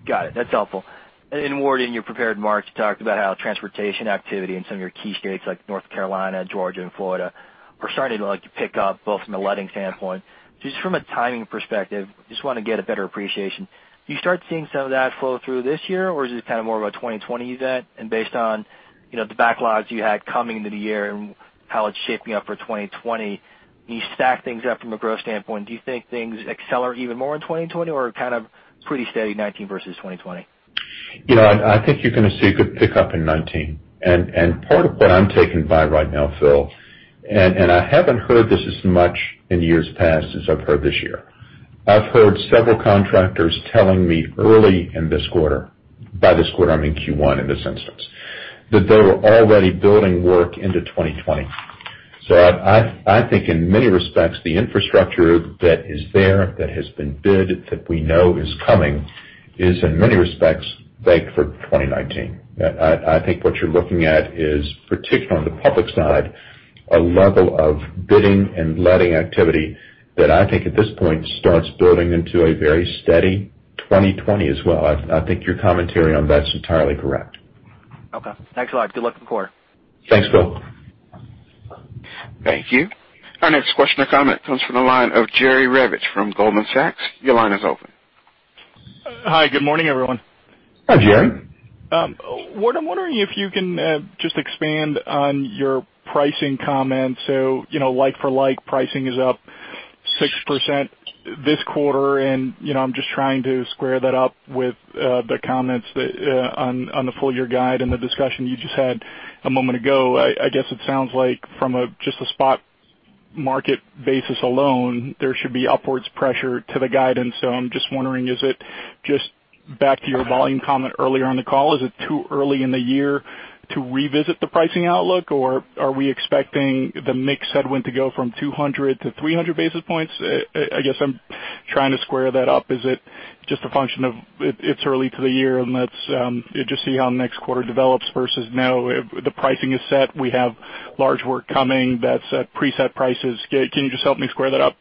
Got it. That's helpful. Then Ward, in your prepared remarks, you talked about how transportation activity in some of your key states like North Carolina, Georgia, and Florida are starting to pick up both from a letting standpoint. Just from a timing perspective, just want to get a better appreciation. Do you start seeing some of that flow through this year, or is it kind of more of a 2020 event and based on The backlogs you had coming into the year and how it's shaping up for 2020. You stack things up from a growth standpoint. Do you think things accelerate even more in 2020, or kind of pretty steady 2019 versus 2020? I think you're going to see a good pickup in 2019. Part of what I'm taken by right now, Phil, and I haven't heard this as much in years past as I've heard this year. I've heard several contractors telling me early in this quarter, by this quarter I mean Q1 in this instance, that they were already building work into 2020. I think in many respects, the infrastructure that is there, that has been bid, that we know is coming, is in many respects baked for 2019. I think what you're looking at is, particularly on the public side, a level of bidding and letting activity that I think at this point starts building into a very steady 2020 as well. I think your commentary on that's entirely correct. Okay. Thanks a lot. Good luck in the quarter. Thanks, Phil. Thank you. Our next question or comment comes from the line of Jerry Revich from Goldman Sachs. Your line is open. Hi, good morning, everyone. Hi, Jerry. I'm wondering if you can just expand on your pricing comments. Like for like, pricing is up 6% this quarter, and I'm just trying to square that up with the comments on the full year guide and the discussion you just had a moment ago. I guess it sounds like from just a spot market basis alone, there should be upwards pressure to the guidance. I'm just wondering, just back to your volume comment earlier on the call, is it too early in the year to revisit the pricing outlook, or are we expecting the mix headwind to go from 200-300 basis points? I guess I'm trying to square that up. Is it just a function of it's early to the year and let's just see how next quarter develops versus now the pricing is set. We have large work coming that's at preset prices. Can you just help me square that up?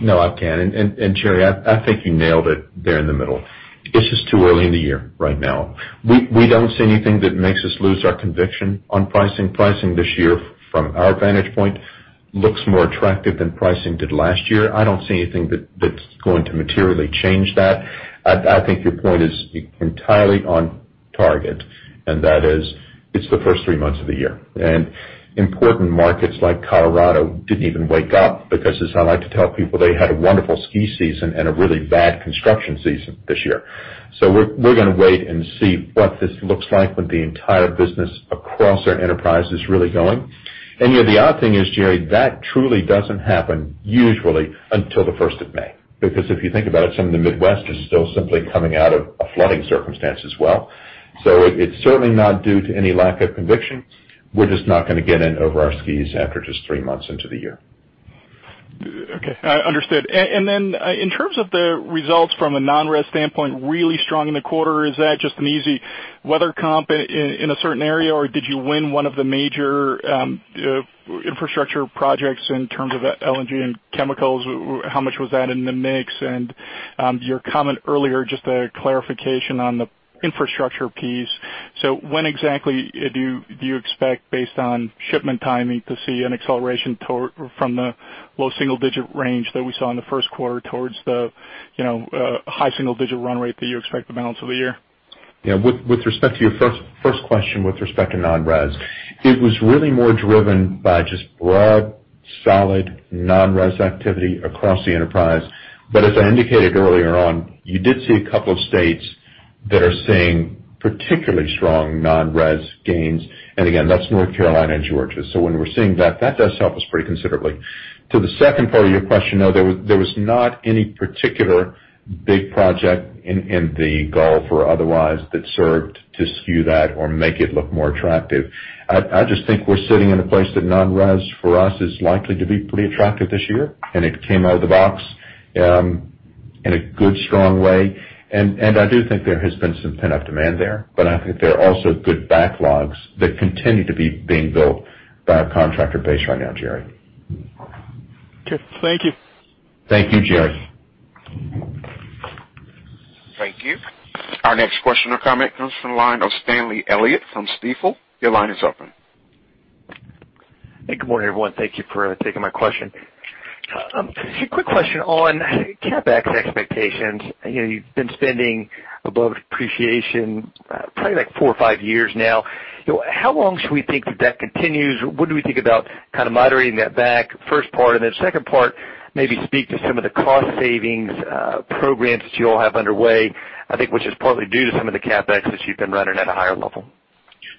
No, I can. Jerry, I think you nailed it there in the middle. It's just too early in the year right now. We don't see anything that makes us lose our conviction on pricing. Pricing this year, from our vantage point, looks more attractive than pricing did last year. I don't see anything that's going to materially change that. I think your point is entirely on target, and that is it's the first three months of the year. Important markets like Colorado didn't even wake up because as I like to tell people, they had a wonderful ski season and a really bad construction season this year. We're going to wait and see what this looks like when the entire business across our enterprise is really going. The odd thing is, Jerry, that truly doesn't happen usually until the 1st of May, because if you think about it, some of the Midwest is still simply coming out of a flooding circumstance as well. It's certainly not due to any lack of conviction. We're just not going to get in over our skis after just three months into the year. Okay. Understood. Then, in terms of the results from a non-res standpoint, really strong in the quarter. Is that just an easy weather comp in a certain area, or did you win one of the major infrastructure projects in terms of LNG and chemicals? How much was that in the mix? Your comment earlier, just a clarification on the infrastructure piece. When exactly do you expect, based on shipment timing, to see an acceleration from the low single-digit range that we saw in the first quarter towards the high single-digit run rate that you expect the balance of the year? Yeah. With respect to your first question with respect to non-res, it was really more driven by just broad, solid non-res activity across the enterprise. As I indicated earlier on, you did see a couple of states that are seeing particularly strong non-res gains. Again, that's North Carolina and Georgia. When we're seeing that does help us pretty considerably. To the second part of your question, no, there was not any particular big project in the Gulf or otherwise that served to skew that or make it look more attractive. I just think we're sitting in a place that non-res for us is likely to be pretty attractive this year, and it came out of the box in a good, strong way. I do think there has been some pent-up demand there, I think there are also good backlogs that continue to be being built by our contractor base right now, Jerry. Okay. Thank you. Thank you, Jerry. Thank you. Our next question or comment comes from the line of Stanley Elliott from Stifel. Your line is open. Hey, good morning, everyone. Thank you for taking my question. A quick question on CapEx expectations. You've been spending above depreciation probably like four or five years now. How long should we think that continues? What do we think about kind of moderating that back? First part, second part, maybe speak to some of the cost savings programs that you all have underway, I think which is partly due to some of the CapEx that you've been running at a higher level.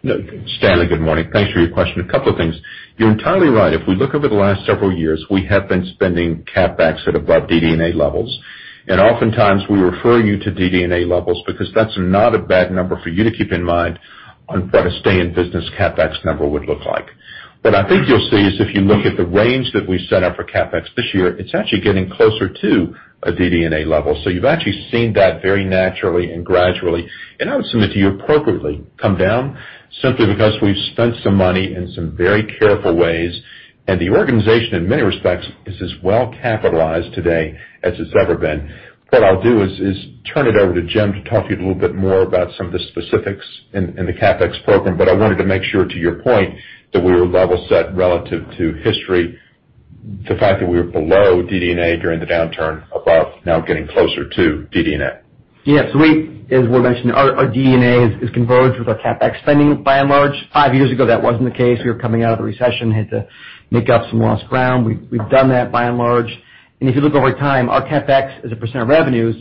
Stanley, good morning. Thanks for your question. A couple of things. You're entirely right. If we look over the last several years, we have been spending CapEx at above DD&A levels. Oftentimes we refer you to DD&A levels because that's not a bad number for you to keep in mind on what a stay in business CapEx number would look like. What I think you'll see is if you look at the range that we set up for CapEx this year, it's actually getting closer to a DD&A level. You've actually seen that very naturally and gradually, and I would submit to you appropriately come down simply because we've spent some money in some very careful ways, and the organization in many respects is as well capitalized today as it's ever been. What I'll do is turn it over to Jim to talk to you a little bit more about some of the specifics in the CapEx program. I wanted to make sure to your point that we were level set relative to history. The fact that we were below DD&A during the downturn above now getting closer to DD&A. We, as Ward mentioned, our DD&A is converged with our CapEx spending by and large. 5 years ago, that wasn't the case. We were coming out of the recession, had to make up some lost ground. We've done that by and large. If you look over time, our CapEx as a percent of revenues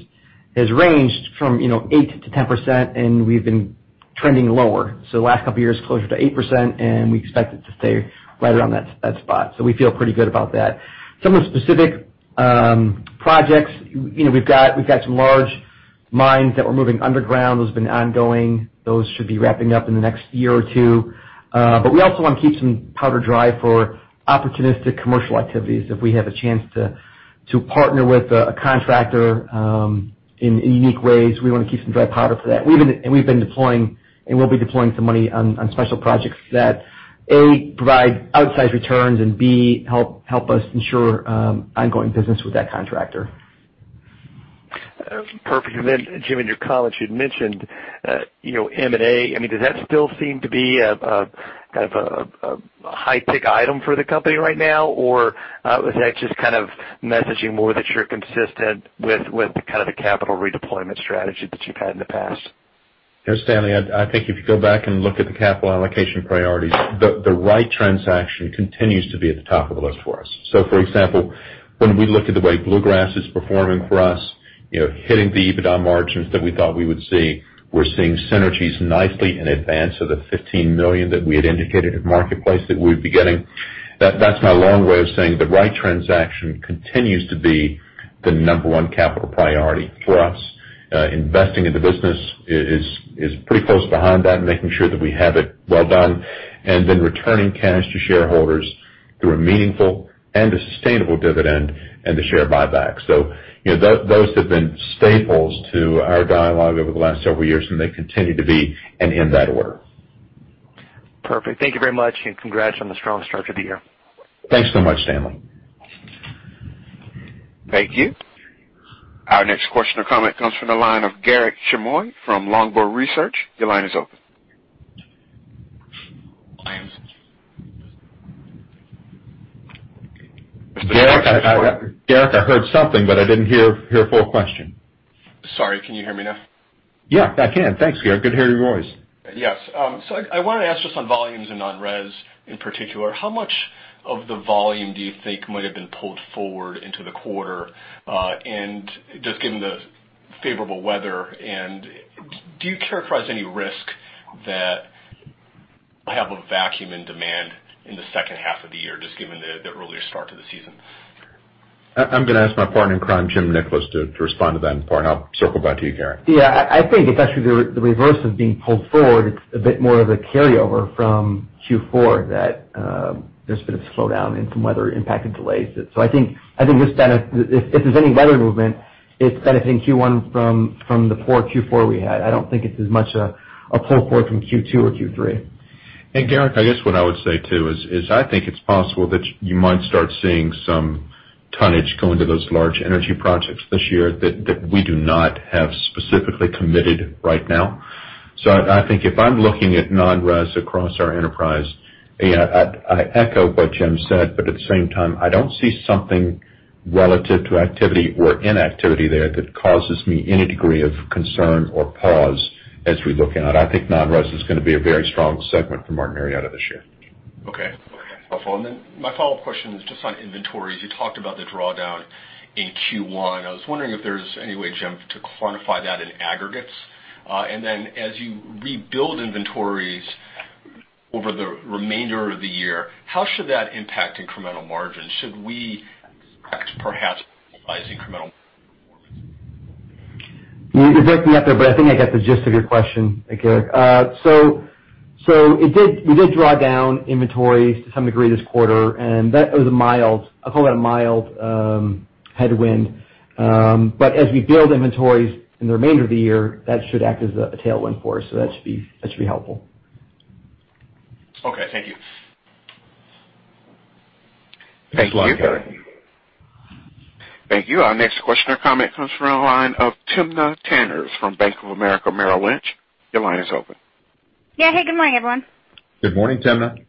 has ranged from 8%-10%, and we've been trending lower. The last couple of years, closer to 8%, and we expect it to stay right around that spot. We feel pretty good about that. Some of the specific projects, we've got some large mines that we're moving underground that's been ongoing. Those should be wrapping up in the next year or two. We also want to keep some powder dry for opportunistic commercial activities. If we have a chance to partner with a contractor in unique ways, we want to keep some dry powder for that. We've been deploying and we'll be deploying some money on special projects that, A, provide outsized returns, and B, help us ensure ongoing business with that contractor. Perfect. Then Jim, in your comments, you'd mentioned M&A. Does that still seem to be a high pick item for the company right now? Or was that just messaging more that you're consistent with the capital redeployment strategy that you've had in the past? Stanley, I think if you go back and look at the capital allocation priorities, the right transaction continues to be at the top of the list for us. For example, when we look at the way Bluegrass is performing for us, hitting the EBITDA margins that we thought we would see, we're seeing synergies nicely in advance of the $15 million that we had indicated at Marketplace that we'd be getting. That's my long way of saying the right transaction continues to be the number 1 capital priority for us. Investing in the business is pretty close behind that and making sure that we have it well done, and then returning cash to shareholders through a meaningful and a sustainable dividend and the share buyback. Those have been staples to our dialogue over the last several years, and they continue to be, and in that order. Perfect. Thank you very much. Congrats on the strong start to the year. Thanks so much, Stanley. Thank you. Our next question or comment comes from the line of Garik Shmois from Longbow Research. Your line is open. Garik, I heard something, but I didn't hear a full question. Sorry. Can you hear me now? Yeah, I can. Thanks, Garik. Good to hear your voice. Yes. I want to ask just on volumes and non-res in particular, how much of the volume do you think might've been pulled forward into the quarter, and just given the favorable weather, and do you characterize any risk that will have a vacuum in demand in the second half of the year, just given the earlier start to the season? I'm going to ask my partner in crime, Jim Nickolas, to respond to that in part, and I'll circle back to you, Garik. Yeah, I think it's actually the reverse of being pulled forward. It's a bit more of a carryover from Q4 that there's been a slowdown and some weather-impacted delays. I think if there's any weather movement, it's benefiting Q1 from the poor Q4 we had. I don't think it's as much a pull forward from Q2 or Q3. Garik, I guess what I would say too is, I think it's possible that you might start seeing some tonnage go into those large energy projects this year that we do not have specifically committed right now. I think if I'm looking at non-res across our enterprise, I echo what Jim said, but at the same time, I don't see something relative to activity or inactivity there that causes me any degree of concern or pause as we look out. I think non-res is going to be a very strong segment for Martin Marietta this year. Okay. My follow-up question is just on inventories. You talked about the drawdown in Q1. I was wondering if there's any way, Jim, to quantify that in aggregates. Then as you rebuild inventories over the remainder of the year, how should that impact incremental margins? Should we perhaps incremental performance? You broke me up there, but I think I got the gist of your question, Garik. We did draw down inventories to some degree this quarter, and that was a mild headwind. As we build inventories in the remainder of the year, that should act as a tailwind for us, that should be helpful. Okay. Thank you. Thanks a lot, Garik. Thank you. Our next question or comment comes from the line of Timna Tanners from Bank of America Merrill Lynch. Your line is open. Yeah. Hey, good morning, everyone. Good morning, Timna.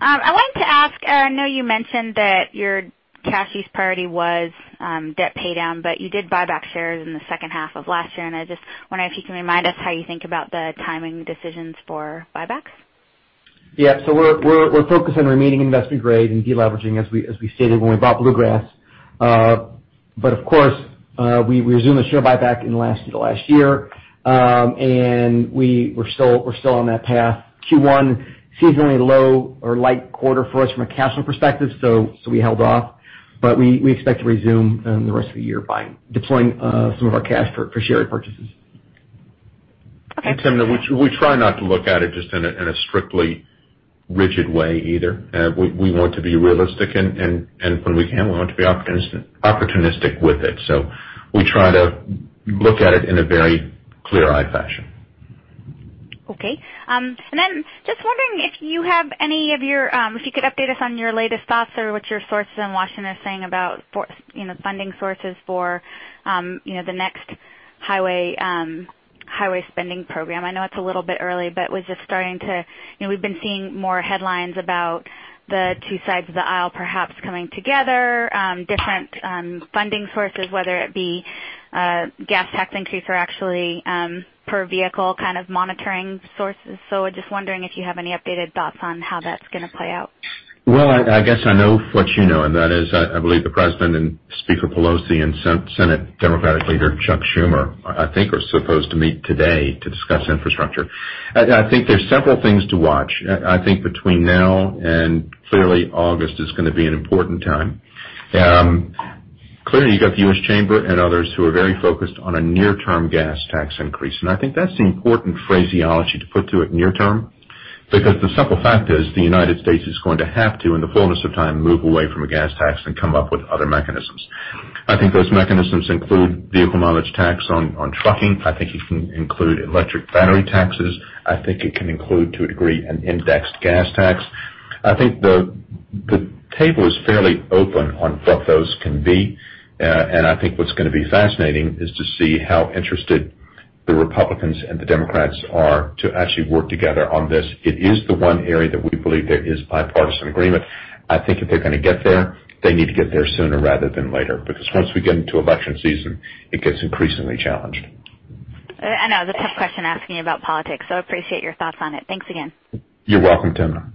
I wanted to ask, I know you mentioned that your cash use priority was debt paydown. You did buy back shares in the second half of last year. I just wonder if you can remind us how you think about the timing decisions for buybacks. Yeah. We're focused on remaining investment grade and de-leveraging, as we stated when we bought Bluegrass. Of course, we resumed the share buyback in the last year. We're still on that path. Q1, seasonally low or light quarter for us from a cash flow perspective. We held off, but we expect to resume the rest of the year by deploying some of our cash for share repurchases. Okay. Timna, we try not to look at it just in a strictly rigid way either. We want to be realistic and when we can, we want to be opportunistic with it. We try to look at it in a very clear-eyed fashion. Okay. Just wondering if you could update us on your latest thoughts or what your sources in Washington are saying about funding sources for the next highway spending program. I know it's a little bit early, but we've been seeing more headlines about the two sides of the aisle perhaps coming together, different funding sources, whether it be gas tax increase or actually per vehicle kind of monitoring sources. Just wondering if you have any updated thoughts on how that's going to play out. I guess I know what you know, and that is, I believe the President and Speaker Pelosi and Senate Democratic leader Chuck Schumer are supposed to meet today to discuss infrastructure. There's several things to watch. Between now and clearly August is going to be an important time. Clearly, you've got the U.S. Chamber and others who are very focused on a near-term gas tax increase. That's the important phraseology to put to it, near term, because the simple fact is the United States is going to have to, in the fullness of time, move away from a gas tax and come up with other mechanisms. Those mechanisms include vehicle mileage tax on trucking. It can include electric battery taxes. It can include, to a degree, an indexed gas tax. The table is fairly open on what those can be, what's going to be fascinating is to see how interested the Republicans and the Democrats are to actually work together on this. It is the one area that we believe there is bipartisan agreement. If they're going to get there, they need to get there sooner rather than later, because once we get into election season, it gets increasingly challenged. I know it's a tough question asking about politics, I appreciate your thoughts on it. Thanks again. You're welcome, Timna.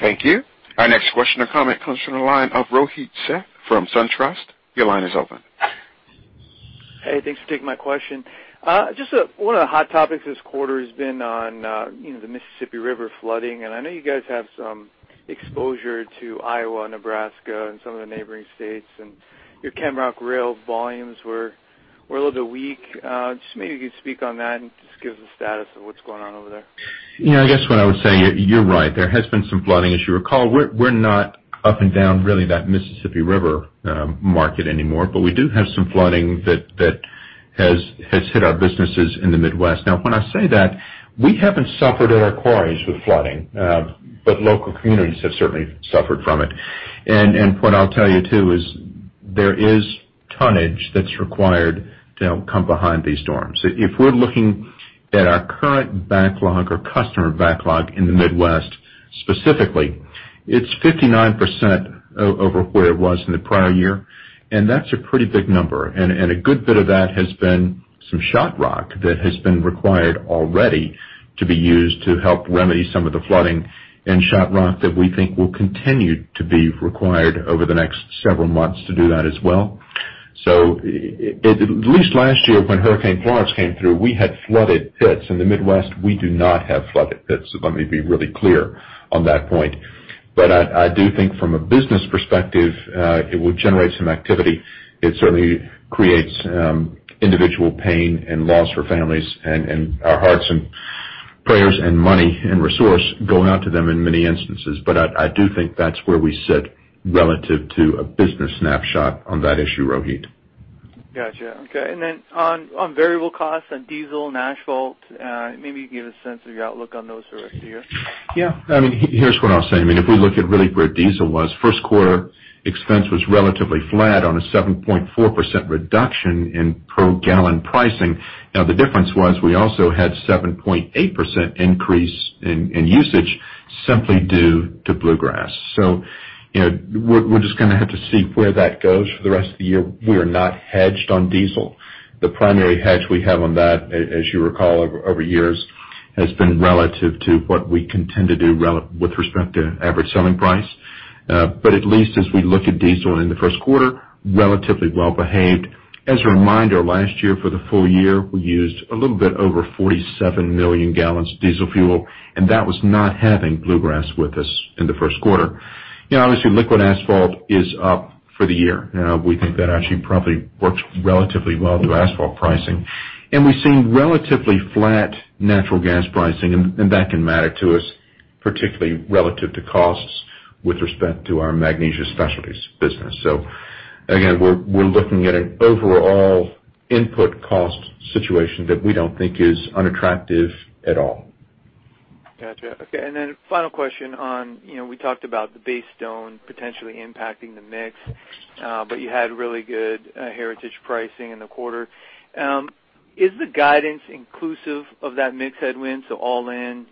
Thank you. Our next question or comment comes from the line of Rohit Seth from SunTrust. Your line is open. Hey, thanks for taking my question. One of the hot topics this quarter has been on the Mississippi River flooding. I know you guys have some exposure to Iowa, Nebraska, and some of the neighboring states. Your Rock & Rail volumes were a little bit weak. Maybe you could speak on that and give us a status of what's going on over there. I guess what I would say, you're right, there has been some flooding. As you recall, we're not up and down really that Mississippi River market anymore, but we do have some flooding that has hit our businesses in the Midwest. Now, when I say that, we haven't suffered at our quarries with flooding, but local communities have certainly suffered from it. What I'll tell you, too, is there is tonnage that's required to help come behind these storms. If we're looking at our current backlog or customer backlog in the Midwest specifically, it's 59% over where it was in the prior year. That's a pretty big number. A good bit of that has been some shot rock that has been required already to be used to help remedy some of the flooding and shot rock that we think will continue to be required over the next several months to do that as well. At least last year when Hurricane Florence came through, we had flooded pits. In the Midwest, we do not have flooded pits. Let me be really clear on that point. I do think from a business perspective, it would generate some activity. It certainly creates individual pain and loss for families and our hearts and prayers and money and resource go out to them in many instances. I do think that's where we sit relative to a business snapshot on that issue, Rohit. Got you. Okay. Then on variable costs and diesel and asphalt, maybe you can give a sense of your outlook on those for the rest of the year. Yeah. Here's what I'll say. If we look at really where diesel was, first quarter expense was relatively flat on a 7.4% reduction in per gallon pricing. The difference was we also had 7.8% increase in usage simply due to Bluegrass. We're just going to have to see where that goes for the rest of the year. We are not hedged on diesel. The primary hedge we have on that, as you recall over years, has been relative to what we can tend to do with respect to average selling price. At least as we look at diesel in the first quarter, relatively well-behaved. As a reminder, last year for the full year, we used a little bit over 47 million gallons of diesel fuel, and that was not having Bluegrass with us in the first quarter. Obviously, liquid asphalt is up for the year. We think that actually probably works relatively well to asphalt pricing. We've seen relatively flat natural gas pricing, and that can matter to us, particularly relative to costs with respect to our Magnesia Specialties business. Again, we're looking at an overall input cost situation that we don't think is unattractive at all. Got you. Okay, final question on, we talked about the base stone potentially impacting the mix, you had really good heritage pricing in the quarter. Is the guidance inclusive of that mix headwind? All in,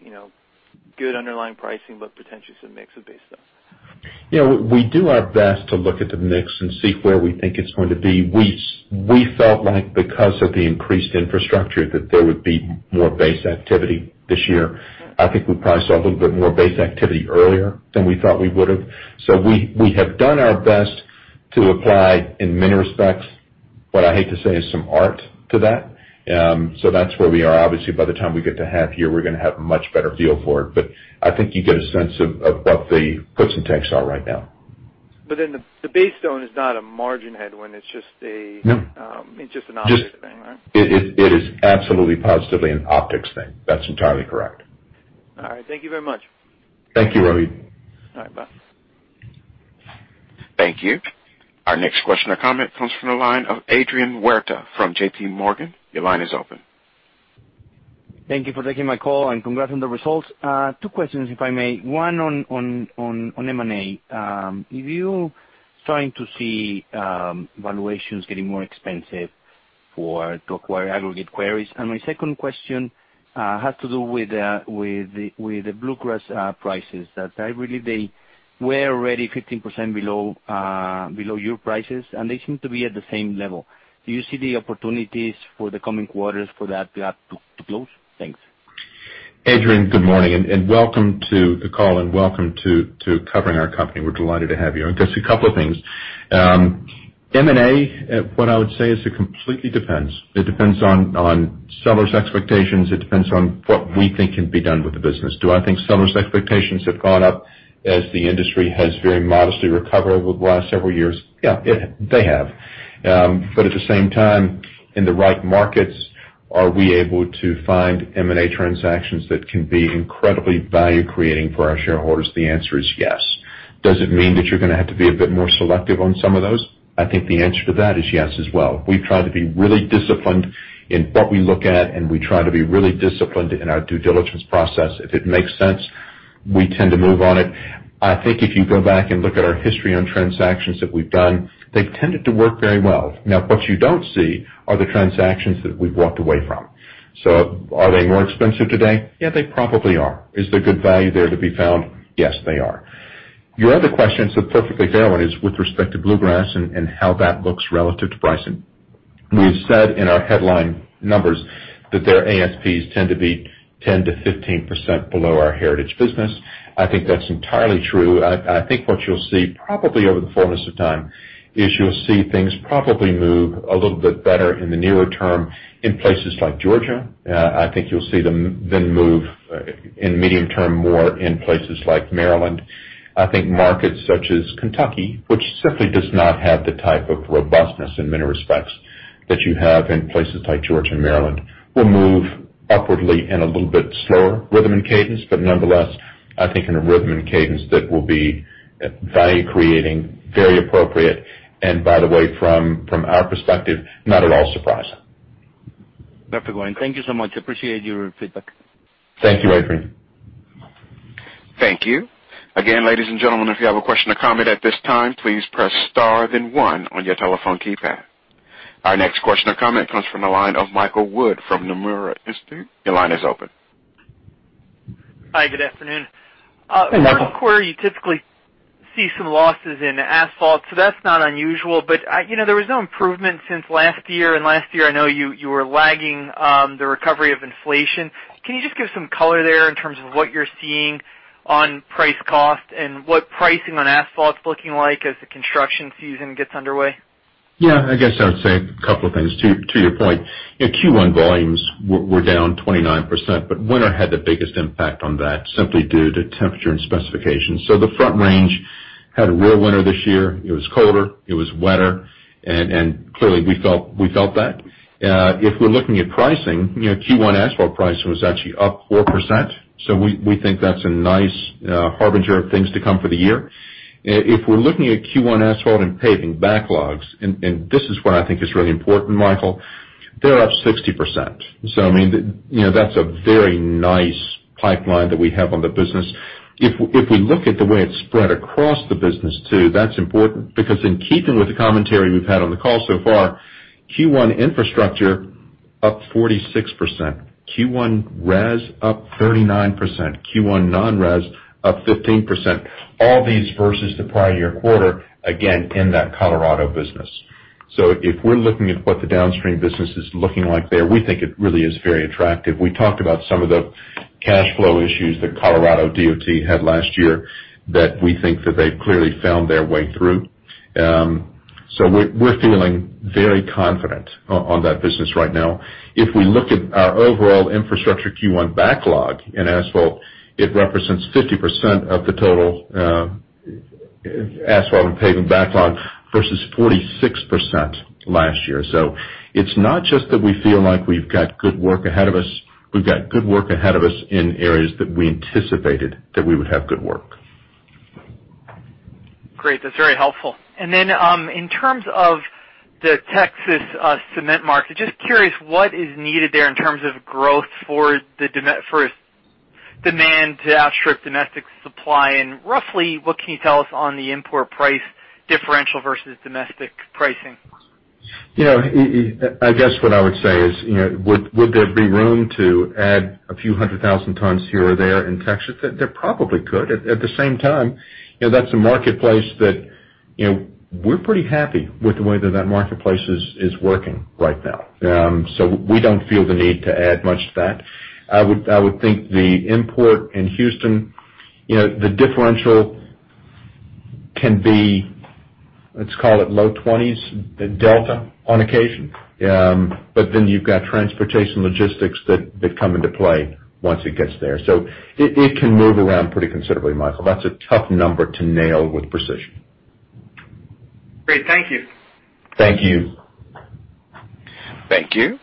good underlying pricing, potentially some mix of base stone. Yeah, we do our best to look at the mix and see where we think it's going to be. We felt like because of the increased infrastructure that there would be more base activity this year. I think we probably saw a little bit more base activity earlier than we thought we would have. We have done our best to apply, in many respects, what I hate to say is some art to that. That's where we are. Obviously, by the time we get to half year, we're going to have a much better feel for it. I think you get a sense of what the puts and takes are right now. The base stone is not a margin headwind, it's just an optics thing, right? It is absolutely, positively an optics thing. That's entirely correct. All right. Thank you very much. Thank you, Rohit. All right, bye. Thank you. Our next question or comment comes from the line of Adrian Huerta from JPMorgan. Your line is open. Thank you for taking my call, congrats on the results. Two questions if I may. One on M&A. Are you starting to see valuations getting more expensive to acquire aggregate quarries? My second question has to do with the Bluegrass prices, that I believe they were already 15% below your prices, and they seem to be at the same level. Do you see the opportunities for the coming quarters for that gap to close? Thanks. Adrian, good morning, and welcome to the call, and welcome to covering our company. We're delighted to have you. I guess a couple of things. M&A, what I would say is it completely depends. It depends on seller's expectations. It depends on what we think can be done with the business. Do I think seller's expectations have gone up as the industry has very modestly recovered over the last several years? Yeah, they have. At the same time, in the right markets, are we able to find M&A transactions that can be incredibly value-creating for our shareholders? The answer is yes. Does it mean that you're going to have to be a bit more selective on some of those? I think the answer to that is yes as well. We try to be really disciplined in what we look at, and we try to be really disciplined in our due diligence process. If it makes sense, we tend to move on it. I think if you go back and look at our history on transactions that we've done, they've tended to work very well. Now, what you don't see are the transactions that we've walked away from. Are they more expensive today? Yeah, they probably are. Is there good value there to be found? Yes, they are. Your other question, it's a perfectly fair one, is with respect to Bluegrass and how that looks relative to pricing. We have said in our headline numbers that their ASPs tend to be 10%-15% below our Heritage business. I think that's entirely true. I think what you'll see probably over the fullness of time, is you'll see things probably move a little bit better in the nearer term in places like Georgia. I think you'll see them then move in medium term more in places like Maryland. I think markets such as Kentucky, which simply does not have the type of robustness in many respects that you have in places like Georgia and Maryland, will move upwardly in a little bit slower rhythm and cadence, but nonetheless, I think in a rhythm and cadence that will be value creating, very appropriate, and by the way, from our perspective, not at all surprising. Dr. Goin, thank you so much. Appreciate your feedback. Thank you, Adrian. Thank you. Again, ladies and gentlemen, if you have a question or comment at this time, please press star then one on your telephone keypad. Our next question or comment comes from the line of Mike Wood from Nomura Instinet. Your line is open. Hi, good afternoon. Hey, Michael. First quarter, you typically see some losses in asphalt, that's not unusual. There was no improvement since last year, and last year I know you were lagging the recovery of inflation. Can you just give some color there in terms of what you're seeing on price cost and what pricing on asphalt is looking like as the construction season gets underway? I guess I would say a couple of things to your point. Q1 volumes were down 29%, winter had the biggest impact on that simply due to temperature and specifications. The Front Range had a real winter this year. It was colder, it was wetter, and clearly, we felt that. If we're looking at pricing, Q1 asphalt price was actually up 4%. We think that's a nice harbinger of things to come for the year. If we're looking at Q1 asphalt and paving backlogs, and this is what I think is really important, Michael, they're up 60%. That's a very nice pipeline that we have on the business. If we look at the way it's spread across the business too, that's important because in keeping with the commentary we've had on the call so far, Q1 infrastructure up 46%, Q1 res up 39%, Q1 non-res up 15%. All these versus the prior year quarter, again, in that Colorado business. If we're looking at what the downstream business is looking like there, we think it really is very attractive. We talked about some of the cash flow issues that Colorado DOT had last year that we think that they've clearly found their way through. We're feeling very confident on that business right now. If we look at our overall infrastructure Q1 backlog in asphalt, it represents 50% of the total asphalt and paving backlog versus 46% last year. It's not just that we feel like we've got good work ahead of us, we've got good work ahead of us in areas that we anticipated that we would have good work. Great. That's very helpful. Then, in terms of the Texas cement market, just curious what is needed there in terms of growth for demand to outstrip domestic supply, and roughly what can you tell us on the import price differential versus domestic pricing? I guess what I would say is, would there be room to add a few hundred thousand tons here or there in Texas? There probably could. At the same time, that's a marketplace that we're pretty happy with the way that marketplace is working right now. We don't feel the need to add much to that. I would think the import in Houston, the differential can be, let's call it low twenties delta on occasion. Then you've got transportation logistics that come into play once it gets there. It can move around pretty considerably, Michael. That's a tough number to nail with precision. Great. Thank you. Thank you. Thank you.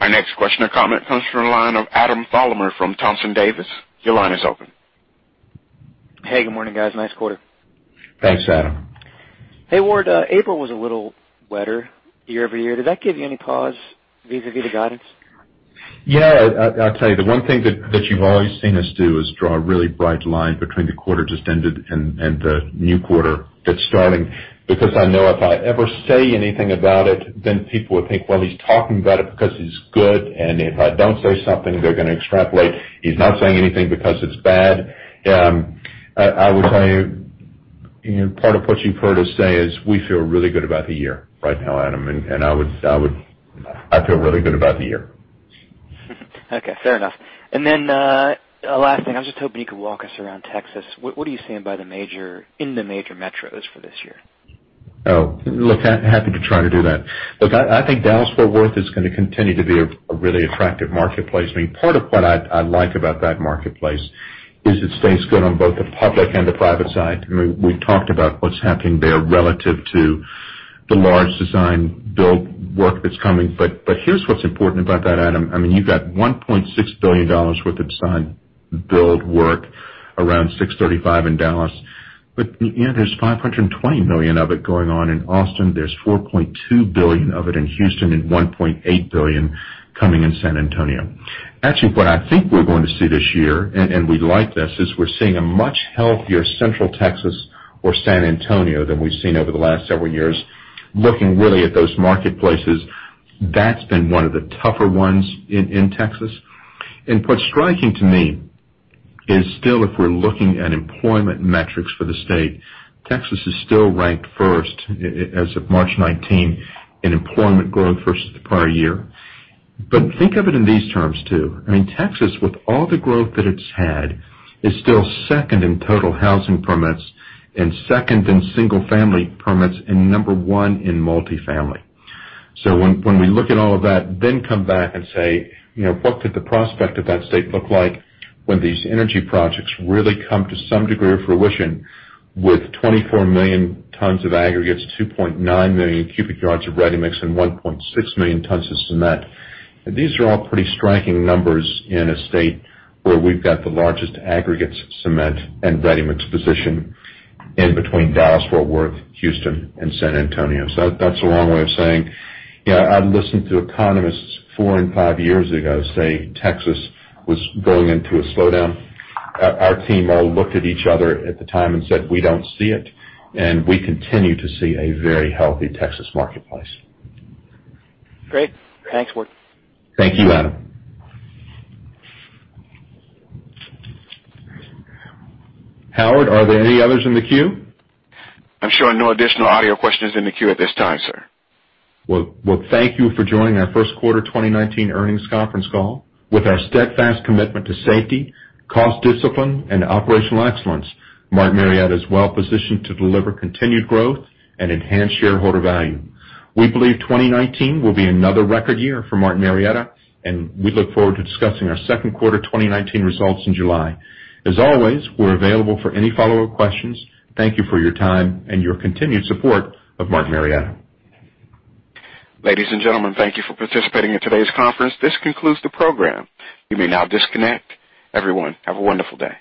Our next question or comment comes from the line of Adam Thalhimer from Thompson Davis. Your line is open. Hey, good morning, guys. Nice quarter. Thanks, Adam. Hey, Ward. April was a little wetter year-over-year. Did that give you any pause vis-a-vis the guidance? Yeah. I'll tell you, the one thing that you've always seen us do is draw a really bright line between the quarter just ended and the new quarter that's starting, because I know if I ever say anything about it, then people would think, "Well, he's talking about it because he's good." If I don't say something, they're going to extrapolate, "He's not saying anything because it's bad." I would tell you, part of what you've heard us say is we feel really good about the year right now, Adam, I feel really good about the year. Okay, fair enough. Then, last thing, I was just hoping you could walk us around Texas. What are you seeing in the major metros for this year? Oh, look, happy to try to do that. Look, I think Dallas-Fort Worth is going to continue to be a really attractive marketplace. Part of what I like about that marketplace is it stays good on both the public and the private side. We've talked about what's happening there relative to the large design build work that's coming. Here's what's important about that, Adam. You've got $1.6 billion worth of design build work around 635 in Dallas. In the end, there's $520 million of it going on in Austin. There's $4.2 billion of it in Houston and $1.8 billion coming in San Antonio. Actually, what I think we're going to see this year, we like this, is we're seeing a much healthier Central Texas or San Antonio than we've seen over the last several years. What's striking to me is still if we're looking at employment metrics for the state, Texas is still ranked first as of March 19 in employment growth versus the prior year. Think of it in these terms, too. Texas, with all the growth that it's had, is still second in total housing permits and second in single family permits and number one in multi-family. When we look at all of that, come back and say, what could the prospect of that state look like when these energy projects really come to some degree of fruition with 24 million tons of aggregates, 2.9 million cubic yards of ready mix, and 1.6 million tons of cement. These are all pretty striking numbers in a state where we've got the largest aggregates, cement, and ready mix position in between Dallas-Fort Worth, Houston, and San Antonio. That's a long way of saying, I've listened to economists four and five years ago say Texas was going into a slowdown. Our team all looked at each other at the time and said, "We don't see it." We continue to see a very healthy Texas marketplace. Great. Thanks, Ward. Thank you, Adam. Howard, are there any others in the queue? I'm showing no additional audio questions in the queue at this time, sir. Well, thank you for joining our first quarter 2019 earnings conference call. With our steadfast commitment to safety, cost discipline, and operational excellence, Martin Marietta is well positioned to deliver continued growth and enhance shareholder value. We believe 2019 will be another record year for Martin Marietta, and we look forward to discussing our second quarter 2019 results in July. As always, we're available for any follow-up questions. Thank you for your time and your continued support of Martin Marietta. Ladies and gentlemen, thank you for participating in today's conference. This concludes the program. You may now disconnect. Everyone, have a wonderful day.